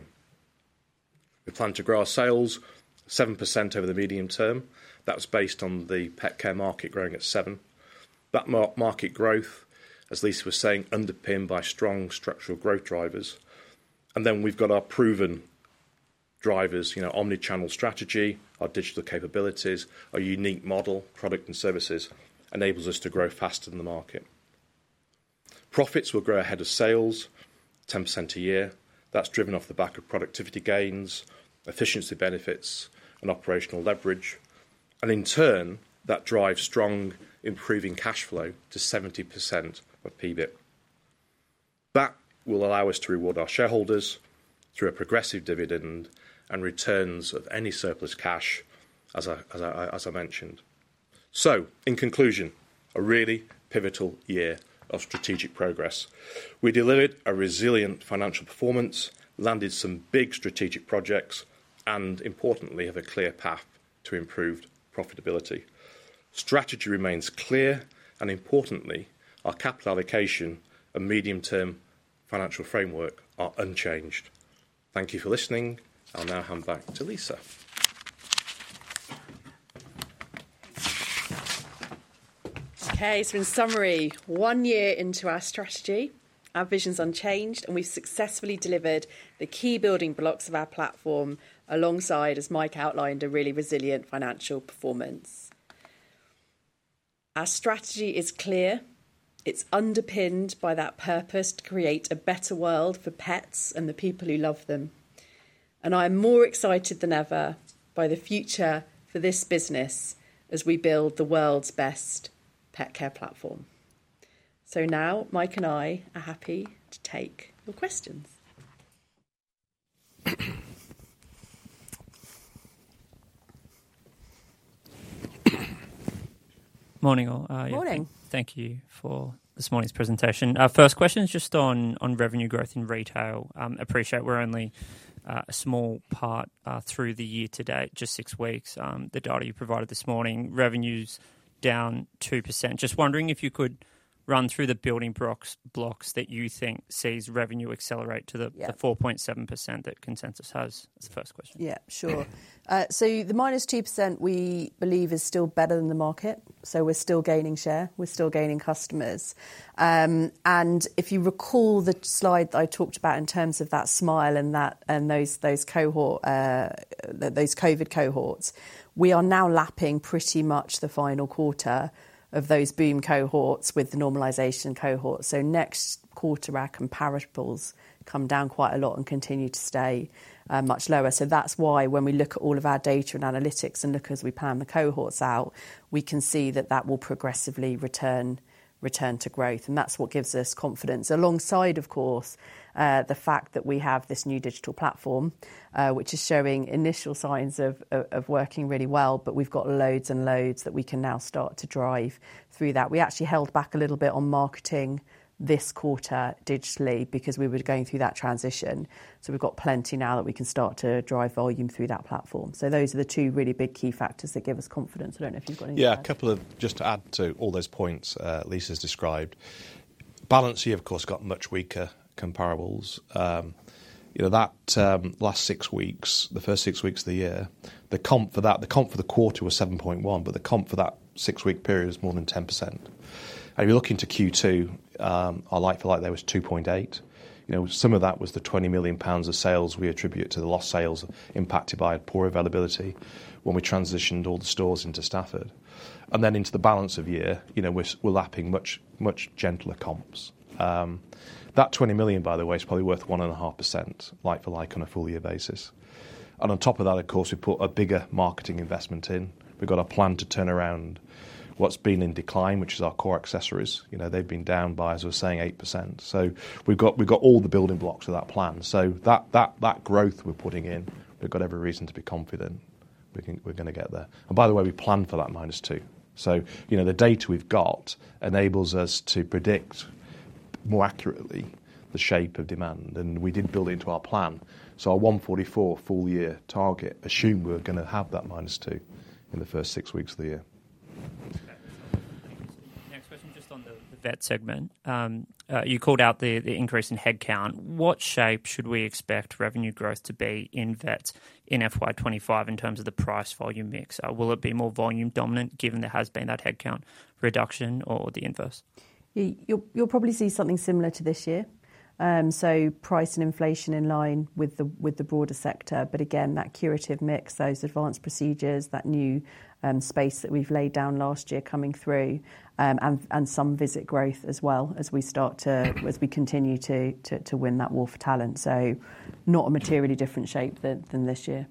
We plan to grow our sales 7% over the medium term. That was based on the pet care market growing at 7%. That market growth, as Lisa was saying, underpinned by strong structural growth drivers. And then we've got our proven drivers, you know, omni-channel strategy, our digital capabilities, our unique model, product and services, enables us to grow faster than the market. Profits will grow ahead of sales, 10% a year. That's driven off the back of productivity gains, efficiency benefits and operational leverage, and in turn, that drives strong improving cash flow to 70% of PBT. That will allow us to reward our shareholders through a progressive dividend and returns of any surplus cash, as I mentioned. So in conclusion, a really pivotal year of strategic progress. We delivered a resilient financial performance, landed some big strategic projects, and importantly, have a clear path to improved profitability. Strategy remains clear, and importantly, our capital allocation and medium-term financial framework are unchanged. Thank you for listening. I'll now hand back to Lyssa. Okay, so in summary, one year into our strategy, our vision's unchanged, and we've successfully delivered the key building blocks of our platform alongside, as Mike outlined, a really resilient financial performance. Our strategy is clear. It's underpinned by that purpose to create a better world for pets and the people who love them. I'm more excited than ever by the future for this business as we build the world's best pet care platform. Now Mike and I are happy to take your questions. Morning, all. Morning. Yeah, thank you for this morning's presentation. Our first question is just on revenue growth in retail. Appreciate we're only a small part through the year-to-date, just six weeks. The data you provided this morning, revenue's down 2%. Just wondering if you could run through the building blocks that you think sees revenue accelerate to the 4.7% that consensus has? That's the first question. Yeah, sure. So the -2%, we believe, is still better than the market, so we're still gaining share, we're still gaining customers. And if you recall the slide that I talked about in terms of that smile and that, and those COVID cohorts, we are now lapping pretty much the final quarter of those boom cohorts with the normalization cohort. So next quarter, our comparables come down quite a lot and continue to stay much lower. So that's why when we look at all of our data and analytics and look as we pan the cohorts out, we can see that that will progressively return to growth, and that's what gives us confidence. Alongside, of course, the fact that we have this new digital platform, which is showing initial signs of working really well, but we've got loads and loads that we can now start to drive through that. We actually held back a little bit on marketing this quarter digitally because we were going through that transition. So we've got plenty now that we can start to drive volume through that platform. So those are the two really big key factors that give us confidence. I don't know if you've got anything to add. Yeah, a couple of. Just to add to all those points Lyssa's described. Balance sheet, of course, got much weaker comparables. You know, the last six weeks, the first six weeks of the year, the comp for that, the comp for the quarter was 7.1%, but the comp for that six-week period was more than 10%. If you look into Q2, our like for like there was 2.8%. You know, some of that was the 20 million pounds of sales we attribute to the lost sales impacted by poor availability when we transitioned all the stores into Stafford. And then into the balance of year, you know, we're lapping much, much gentler comps. That 20 million, by the way, is probably worth 1.5%, like for like on a full year basis. On top of that, of course, we put a bigger marketing investment in. We've got a plan to turn around what's been in decline, which is our core accessories. You know, they've been down by, as we were saying, 8%. So we've got, we've got all the building blocks for that plan. So that growth we're putting in, we've got every reason to be confident we think we're going to get there. And by the way, we planned for that -2%. So, you know, the data we've got enables us to predict more accurately the shape of demand, and we did build into our plan. So our 144 million full year target assumed we were going to have that -2% in the first six weeks of the year. Okay. Next question, just on the vet segment. You called out the increase in headcount. What shape should we expect revenue growth to be in vets in FY 2025 in terms of the price volume mix? Will it be more volume dominant, given there has been that headcount reduction, or the inverse? You'll probably see something similar to this year. So price and inflation in line with the broader sector, but again, that curative mix, those advanced procedures, that new space that we've laid down last year coming through, and some visit growth as well, as we continue to win that war for talent. So not a materially different shape than this year.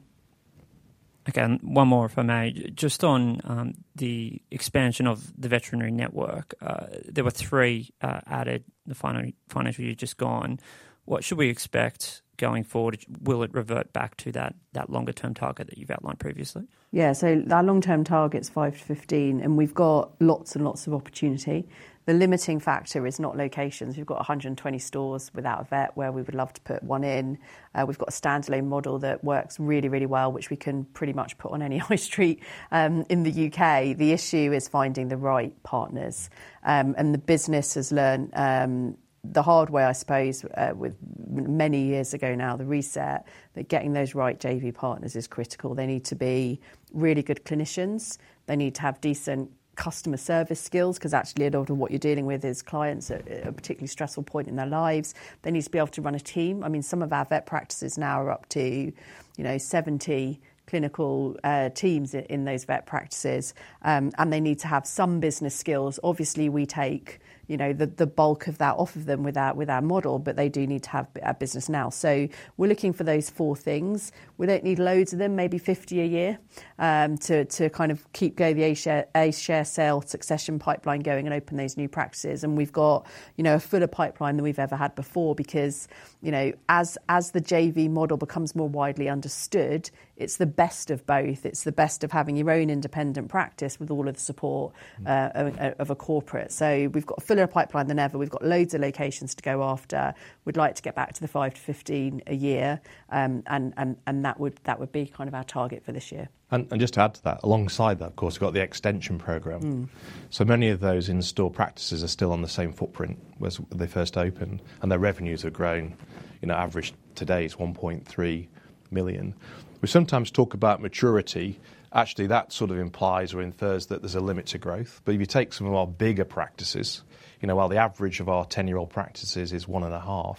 Okay, and one more, if I may. Just on the expansion of the veterinary network, there were three added in the final financial year just gone. What should we expect going forward? Will it revert back to that longer-term target that you've outlined previously? Yeah. So our long-term target is five to 15, and we've got lots and lots of opportunity. The limiting factor is not locations. We've got 120 stores without a vet, where we would love to put one in. We've got a standalone model that works really, really well, which we can pretty much put on any high street in the U.K. The issue is finding the right partners. And the business has learned the hard way, I suppose, with many years ago now, the reset, that getting those right JV partners is critical. They need to be really good clinicians. They need to have decent customer service skills, 'cause actually, a lot of what you're dealing with is clients at a particularly stressful point in their lives. They need to be able to run a team. I mean, some of our vet practices now are up to, you know, 70 clinical teams in those vet practices, and they need to have some business skills. Obviously, we take, you know, the, the bulk of that off of them with our, with our model, but they do need to have a business now. So we're looking for those four things. We don't need loads of them, maybe 50 a year, to, to kind of keep going the A share, A share sale succession pipeline going and open those new practices. And we've got, you know, a fuller pipeline than we've ever had before because, you know, as, as the JV model becomes more widely understood, it's the best of both. It's the best of having your own independent practice with all of the support of a corporate. We've got a fuller pipeline than ever. We've got loads of locations to go after. We'd like to get back to the five to 15 a year, and that would be kind of our target for this year. And just to add to that, alongside that, of course, we've got the extension program. So many of those in-store practices are still on the same footprint as they first opened, and their revenues have grown. You know, average today is 1.3 million. We sometimes talk about maturity. Actually, that sort of implies or infers that there's a limit to growth. But if you take some of our bigger practices, you know, while the average of our 10-year-old practices is 1.5 million,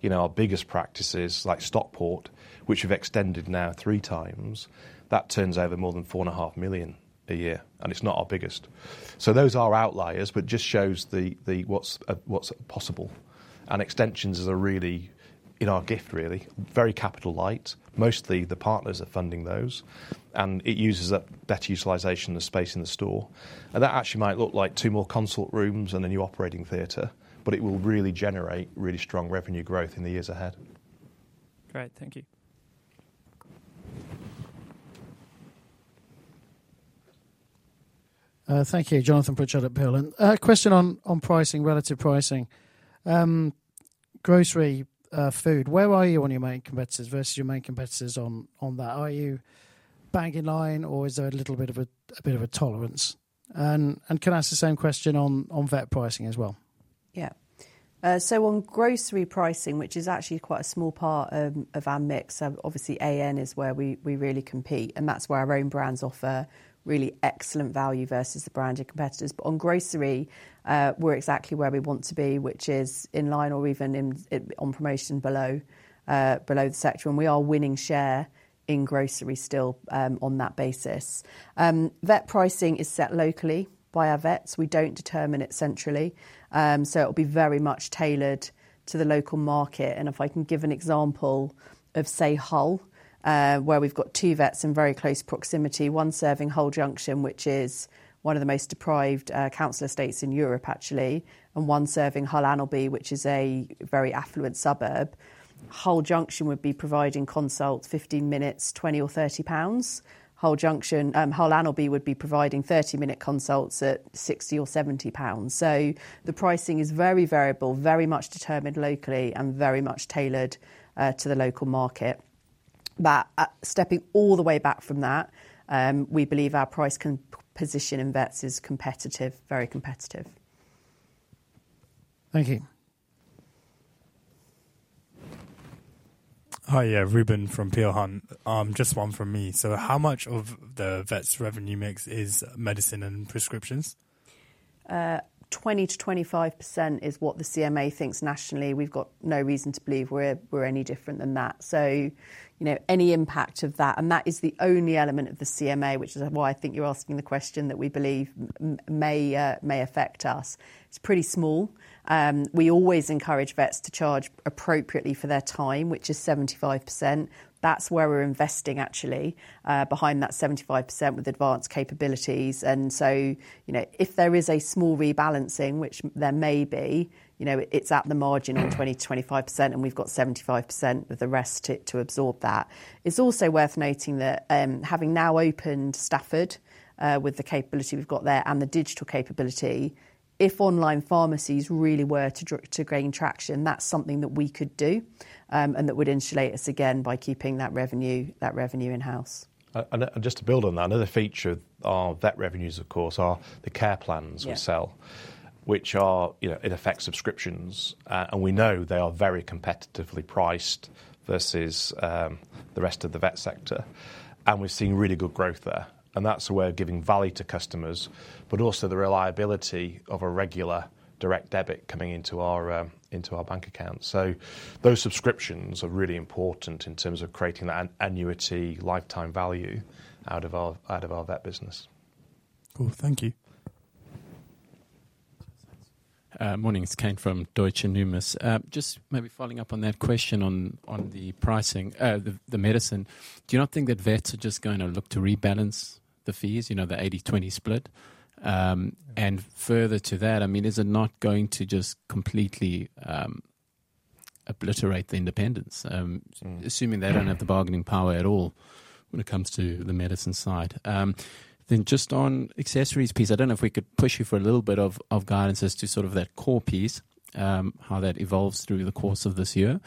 you know, our biggest practices, like Stockport, which we've extended now 3x, that turns over more than 4.5 million a year, and it's not our biggest. So those are outliers, but just shows what's possible. And extensions is a really, in our gift, really, very capital light. Mostly, the partners are funding those, and it uses a better utilization of space in the store. That actually might look like two more consult rooms and a new operating theater, but it will really generate really strong revenue growth in the years ahead. Great. Thank you. Thank you. Jonathan Pritchard at the Peel Hunt. And a question on pricing, relative pricing. Grocery food, where are you on your main competitors versus your main competitors on that? Are you bang in line, or is there a little bit of a tolerance? And can I ask the same question on vet pricing as well? Yeah. So on grocery pricing, which is actually quite a small part of our mix, obviously, AN is where we, we really compete, and that's where our own brands offer really excellent value versus the branded competitors. But on grocery, we're exactly where we want to be, which is in line or even in, on promotion below below the sector, and we are winning share in grocery still on that basis. Vet pricing is set locally by our vets. We don't determine it centrally, so it'll be very much tailored to the local market. And if I can give an example of, say, Hull, where we've got two vets in very close proximity, one serving Hull Junction, which is one of the most deprived council estates in Europe, actually, and one serving Hull Anlaby, which is a very affluent suburb. Hull Junction would be providing consults, 15 minutes, 20 or 30 pounds. Hull Junction, Hull and Hessle would be providing 30-minute consults at 60 or 70 pounds. So the pricing is very variable, very much determined locally and very much tailored to the local market. But, stepping all the way back from that, we believe our price composition in vets is competitive, very competitive. Thank you. Hi, yeah, Ruben from Peel Hunt. Just one from me. So how much of the vets' revenue mix is medicine and prescriptions? 20%-25% is what the CMA thinks nationally. We've got no reason to believe we're any different than that. So, you know, any impact of that, and that is the only element of the CMA, which is why I think you're asking the question that we believe may affect us. It's pretty small. We always encourage vets to charge appropriately for their time, which is 75%. That's where we're investing, actually, behind that 75% with advanced capabilities. And so, you know, if there is a small rebalancing, which there may be, you know, it's at the margin of 20%-25%, and we've got 75% of the rest to absorb that. It's also worth noting that, having now opened Stafford, with the capability we've got there and the digital capability, if online pharmacies really were to gain traction, that's something that we could do, and that would insulate us again by keeping that revenue, that revenue in-house. And just to build on that, another feature of vet revenues, of course, are the care plans. We sell, which are, you know, in effect, subscriptions, and we know they are very competitively priced versus the rest of the vet sector, and we're seeing really good growth there. And that's a way of giving value to customers, but also the reliability of a regular direct debit coming into our, into our bank account. So those subscriptions are really important in terms of creating an annuity lifetime value out of our, out of our vet business. Cool. Thank you. Morning, it's Kane from Deutsche Numis. Just maybe following up on that question on the pricing, the medicine, do you not think that vets are just going to look to rebalance the fees, you know, the 80/20 split? And further to that, I mean, is it not going to just completely obliterate the independence, assuming they don't have the bargaining power at all when it comes to the medicine side? Then just on accessories piece, I don't know if we could push you for a little bit of guidance as to sort of that core piece, how that evolves through the course of this year.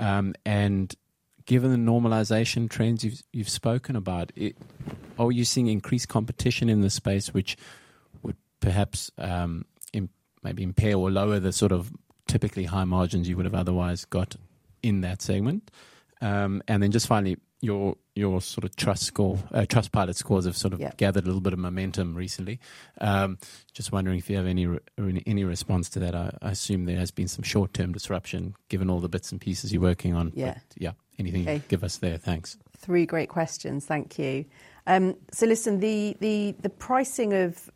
And given the normalization trends you've spoken about, are you seeing increased competition in the space which would perhaps impair or lower the sort of typically high margins you would have otherwise got in that segment? And then just finally, your sort of TrustScore, Trustpilot scores have sort of gathered a little bit of momentum recently. Just wondering if you have any response to that. I assume there has been some short-term disruption, given all the bits and pieces you're working on. Yeah. Yeah. Anything you can give us there? Thanks. Three great questions. Thank you. So listen, the pricing of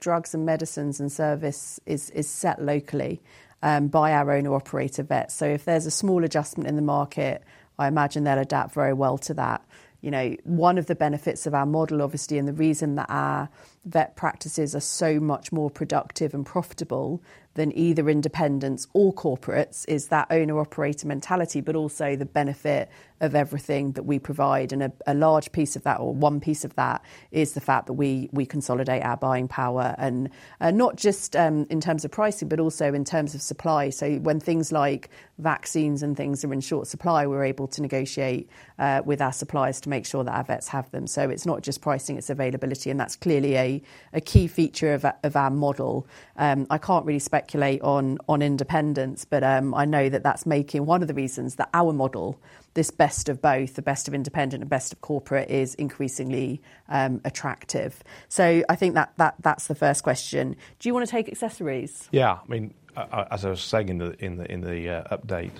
drugs and medicines and service is set locally by our owner-operator vets. So if there's a small adjustment in the market, I imagine they'll adapt very well to that. You know, one of the benefits of our model, obviously, and the reason that our vet practices are so much more productive and profitable than either independents or corporates, is that owner-operator mentality, but also the benefit of everything that we provide. And a large piece of that, or one piece of that, is the fact that we consolidate our buying power, and not just in terms of pricing, but also in terms of supply. So when things like vaccines and things are in short supply, we're able to negotiate with our suppliers to make sure that our vets have them. So it's not just pricing, it's availability, and that's clearly a key feature of our model. I can't really speculate on independence, but I know that that's making one of the reasons that our model, this best of both, the best of independent and best of corporate, is increasingly attractive. So I think that's the first question. Do you want to take accessories? Yeah. I mean, as I was saying in the update,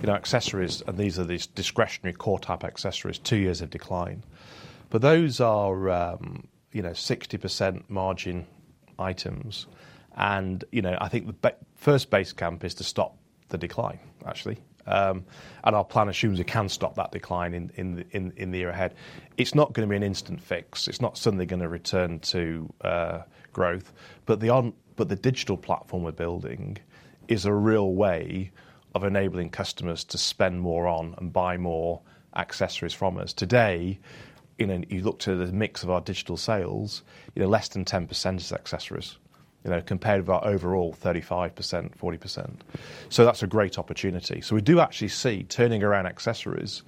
you know, accessories, and these are discretionary core-type accessories, two years of decline. But those are, you know, 60% margin items. And, you know, I think the first base camp is to stop the decline, actually. And our plan assumes we can stop that decline in the year ahead. It's not going to be an instant fix. It's not suddenly going to return to growth, but the digital platform we're building is a real way of enabling customers to spend more on and buy more accessories from us. Today, you know, you look to the mix of our digital sales, you know, less than 10% is accessories, you know, compared with our overall 35%-40%. So that's a great opportunity. So we do actually see turning around accessories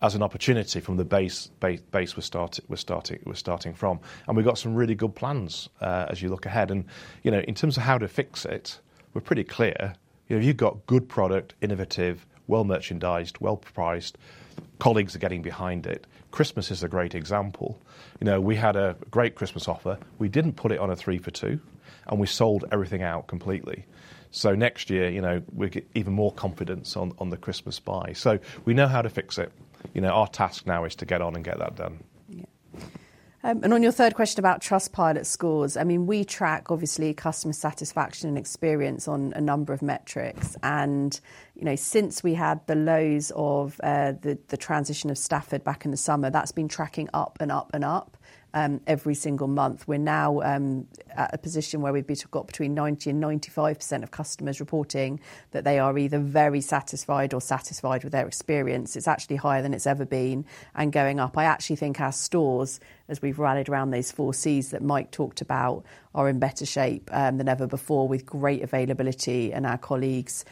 as an opportunity from the base we're starting from, and we've got some really good plans as you look ahead. And, you know, in terms of how to fix it, we're pretty clear. You know, you've got good product, innovative, well merchandised, well priced, colleagues are getting behind it. Christmas is a great example. You know, we had a great Christmas offer. We didn't put it on a three for two, and we sold everything out completely. So next year, you know, we get even more confidence on the Christmas buy. So we know how to fix it. You know, our task now is to get on and get that done. Yeah. And on your third question about Trustpilot scores, I mean, we track obviously customer satisfaction and experience on a number of metrics. You know, since we had the lows of the transition of Stafford back in the summer, that's been tracking up and up and up every single month. We're now at a position where we've got between 90% and 95% of customers reporting that they are either very satisfied or satisfied with their experience. It's actually higher than it's ever been and going up. I actually think our stores, as we've rallied around those four Cs that Mike talked about, are in better shape than ever before, with great availability and our colleagues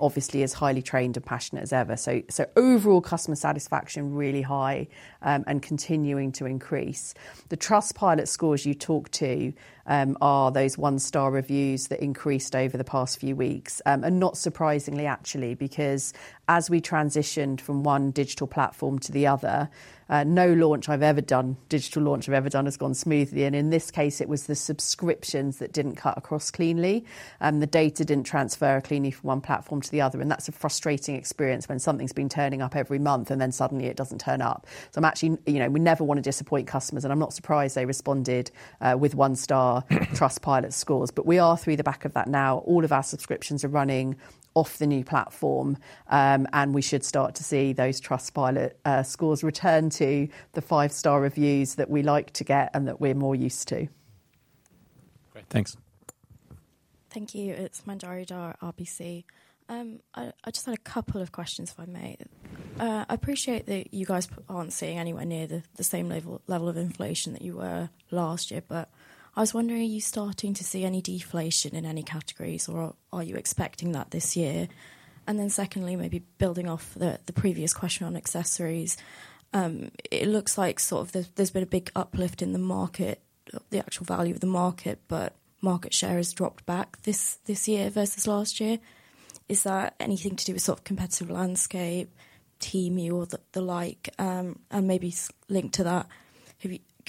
obviously as highly trained and passionate as ever. So overall customer satisfaction, really high, and continuing to increase. The Trustpilot scores you talk to are those one-star reviews that increased over the past few weeks. Not surprisingly, actually, because as we transitioned from one digital platform to the other, no digital launch I've ever done has gone smoothly, and in this case, it was the subscriptions that didn't cut across cleanly, and the data didn't transfer cleanly from one platform to the other, and that's a frustrating experience when something's been turning up every month and then suddenly it doesn't turn up. So I'm actually, you know, we never want to disappoint customers, and I'm not surprised they responded with one-star Trustpilot scores. But we are through the back of that now. All of our subscriptions are running off the new platform, and we should start to see those Trustpilot scores return to the five-star reviews that we like to get and that we're more used to. Great. Thanks. Thank you. It's Manjari Dhar, RBC. I just had a couple of questions, if I may. I appreciate that you guys aren't seeing anywhere near the same level of inflation that you were last year, but I was wondering, are you starting to see any deflation in any categories, or are you expecting that this year? And then secondly, maybe building off the previous question on accessories, it looks like sort of there's been a big uplift in the market, the actual value of the market, but market share has dropped back this year versus last year. Is that anything to do with sort of competitive landscape, Temu or the like? And maybe linked to that,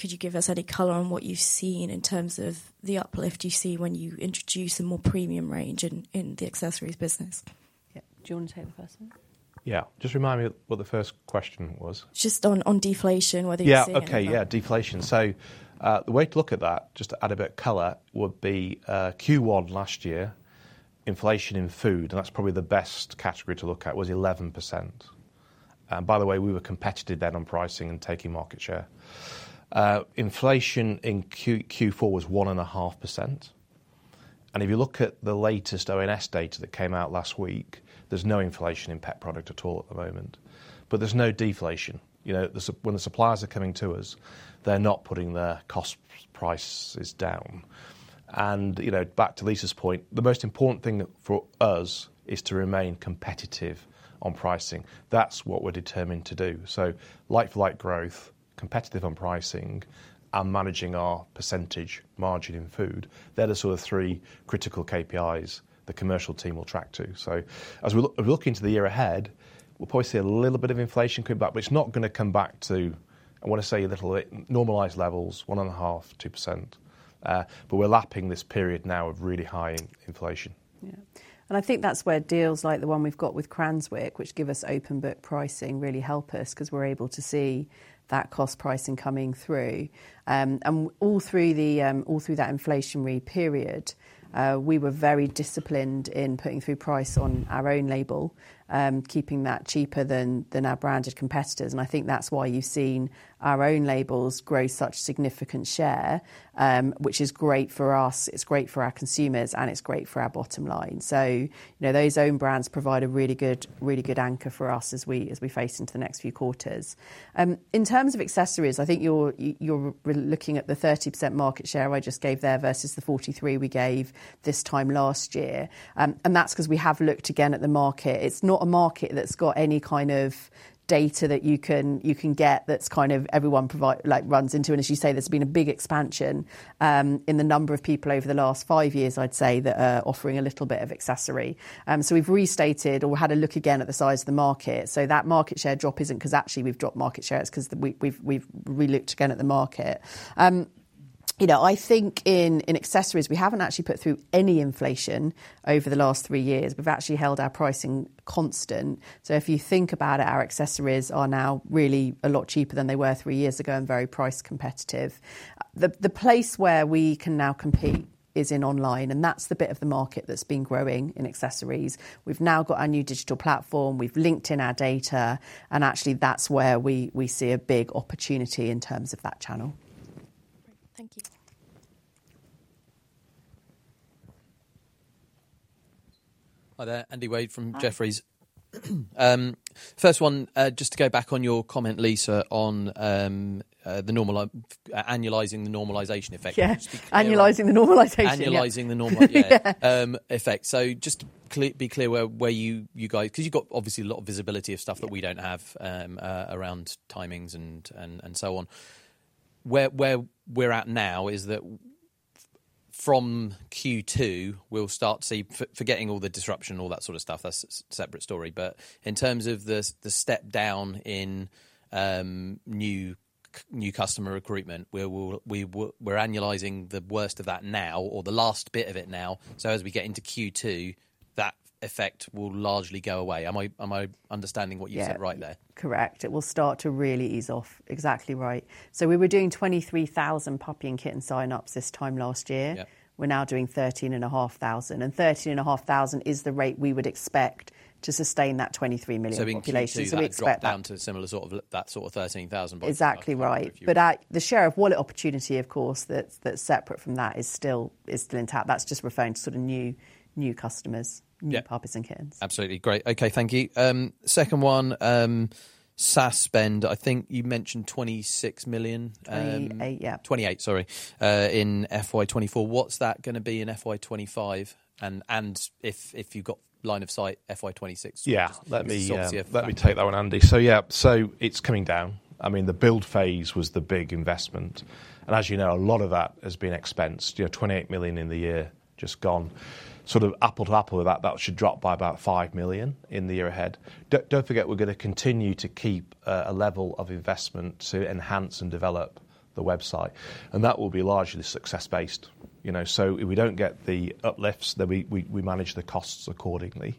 could you give us any color on what you've seen in terms of the uplift you see when you introduce a more premium range in the accessories business? Yeah, do you want to take the first one? Yeah. Just remind me what the first question was. Just on deflation, whether you're seeing. Yeah. Okay. Yeah, deflation. So, the way to look at that, just to add a bit of color, would be Q1 last year, inflation in food, and that's probably the best category to look at, was 11%. And by the way, we were competitive then on pricing and taking market share. Inflation in Q4 was 1.5%. And if you look at the latest ONS data that came out last week, there's no inflation in pet product at all at the moment, but there's no deflation. You know, the suppliers are coming to us, they're not putting their cost prices down. And, you know, back to Lyssa's point, the most important thing for us is to remain competitive on pricing. That's what we're determined to do. So like-for-like growth, competitive on pricing, and managing our percentage margin in food. They're the sort of three critical KPIs the commercial team will track to. So as we look, looking to the year ahead, we'll probably see a little bit of inflation come back, but it's not going to come back to, I want to say a little bit, normalized levels, 1.5%-2%. But we're lapping this period now of really high inflation. Yeah. And I think that's where deals like the one we've got with Cranswick, which give us open book pricing, really help us 'cause we're able to see that cost pricing coming through. And all through that inflationary period, we were very disciplined in putting through price on our own label, keeping that cheaper than our branded competitors. And I think that's why you've seen our own labels grow such significant share, which is great for us, it's great for our consumers, and it's great for our bottom line. So, you know, those own brands provide a really good, really good anchor for us as we face into the next few quarters. In terms of accessories, I think you're looking at the 30% market share I just gave there versus the 43% we gave this time last year. And that's 'cause we have looked again at the market. It's not a market that's got any kind of data that you can get that's kind of everyone like runs into. And as you say, there's been a big expansion in the number of people over the last five years, I'd say, that are offering a little bit of accessory. So we've restated or had a look again at the size of the market. So that market share drop isn't 'cause actually we've dropped market share, it's 'cause we've relooked again at the market. You know, I think in accessories, we haven't actually put through any inflation over the last three years. We've actually held our pricing constant. So if you think about it, our accessories are now really a lot cheaper than they were three years ago and very price competitive. The place where we can now compete is in online, and that's the bit of the market that's been growing in accessories. We've now got our new digital platform, we've linked in our data, and actually, that's where we see a big opportunity in terms of that channel. Great. Thank you. Hi there, Andy Wade from Jefferies. First one, just to go back on your comment, Lyssa, on annualizing the normalization effect. Yeah. Annualizing the normalization. Annualizing the normalizatiOn effect. So just be clear where you guys... 'Cause you've got obviously a lot of visibility of stuff that we don't have around timings and so on. Where we're at now is that from Q2, we'll start to see, forgetting all the disruption, all that sort of stuff, that's a separate story, but in terms of the step down in new customer recruitment, we're annualizing the worst of that now or the last bit of it now. So as we get into Q2, that effect will largely go away. Am I understanding what you said right there? Yeah. Correct. It will start to really ease off. Exactly right. So we were doing 23,000 puppy and kitten sign-ups this time last year. Yeah. We're now doing 13,500, and 13,500 is the rate we would expect to sustain that 23 million population. In Q2, that'll drop down to similar sort of, that sort of 13,000. Exactly right. Before we. But the share of wallet opportunity, of course, that's, that's separate from that, is still, is still intact. That's just referring to sort of new, new customers, new puppies and kittens. Absolutely. Great. Okay, thank you. Second one, SaaS spend, I think you mentioned 26 million, 28 million. 28 million, sorry, in FY 2024. What's that going to be in FY 2025? If you've got line of sight, FY 2026. Yeah, let me Just to obviously. Yeah, let me take that one, Andy. So yeah, so it's coming down. I mean, the build phase was the big investment, and as you know, a lot of that has been expensed. You know, 28 million in the year just gone. Sort of apples to apples with that, that should drop by about 5 million in the year ahead. Don't forget, we're going to continue to keep a level of investment to enhance and develop the website, and that will be largely success-based, you know? So if we don't get the uplifts, then we manage the costs accordingly.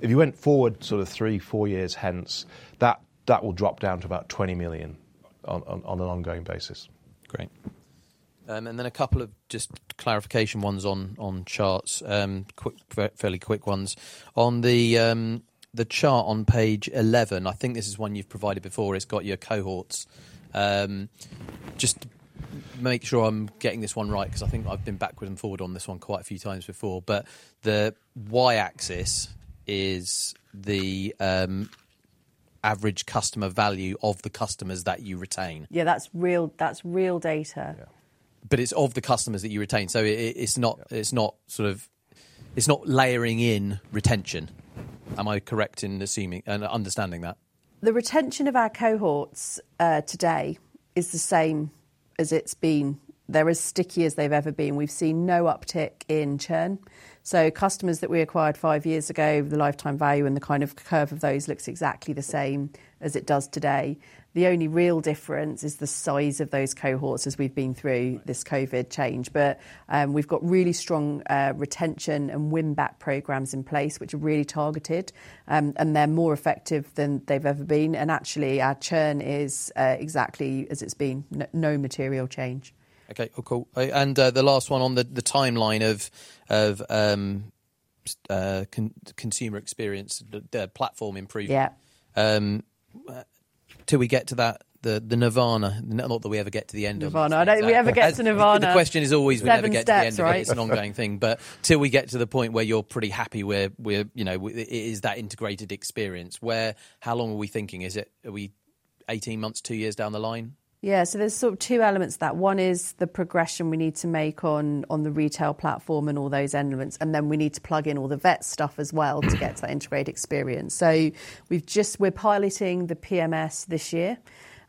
If you went forward sort of three, four years hence, that will drop down to about 20 million on an ongoing basis. Great. And then a couple of just clarification ones on charts, fairly quick ones. On the chart on page 11, I think this is one you've provided before, it's got your cohorts. Just to make sure I'm getting this one right, 'cause I think I've been backward and forward on this one quite a few times before. But the Y-axis is the average customer value of the customers that you retain? Yeah, that's real, that's real data. Yeah. It's of the customers that you retain, so it's not it's not sort of, it's not layering in retention. Am I correct in assuming, understanding that? The retention of our cohorts today is the same as it's been. They're as sticky as they've ever been. We've seen no uptick in churn, so customers that we acquired five years ago, the lifetime value and the kind of curve of those looks exactly the same as it does today. The only real difference is the size of those cohorts as we've been through this COVID change. But we've got really strong retention and win-back programs in place, which are really targeted, and they're more effective than they've ever been. And actually, our churn is exactly as it's been, no material change. Okay, cool. And the last one on the timeline of consumer experience, the platform improvement. Yeah. Till we get to that, the nirvana, not that we ever get to the end of it. Nirvana. I don't, we ever get to nirvana. The question is always will we ever get to the end of it? Seven steps, right? It's an ongoing thing, but till we get to the point where you're pretty happy, we're, you know, is that integrated experience, where, how long are we thinking? Is it, are we 18 months, two years down the line? Yeah, so there's sort of two elements to that. One is the progression we need to make on, on the retail platform and all those elements, and then we need to plug in all the vet stuff as wellto get to that integrated experience. So we've just, we're piloting the PMS this year.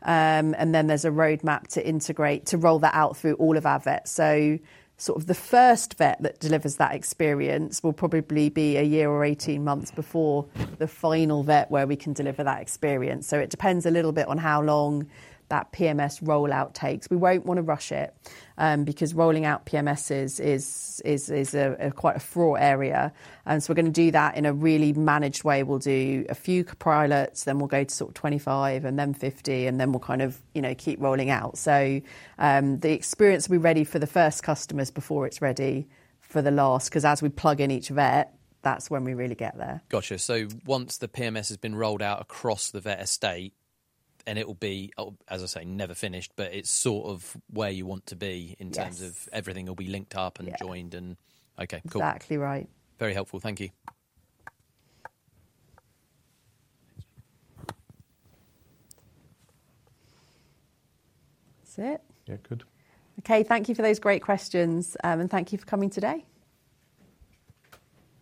And then there's a roadmap to integrate, to roll that out through all of our vets. So sort of the first vet that delivers that experience will probably be a year or 18 months before the final vet, where we can deliver that experience. So it depends a little bit on how long that PMS rollout takes. We won't want to rush it, because rolling out PMSs is a quite a fraught area, and so we're going to do that in a really managed way. We'll do a few pilots, then we'll go to sort of 25, and then 50, and then we'll kind of, you know, keep rolling out. The experience will be ready for the first customers before it's ready for the last, 'cause as we plug in each vet, that's when we really get there. Gotcha. So once the PMS has been rolled out across the vet estate, and it will be, as I say, never finished, but it's sort of where you want to in terms of everything will be linked up and joined. Okay, cool. Exactly right. Very helpful. Thank you. That's it? Yeah. Good. Okay, thank you for those great questions, and thank you for coming today.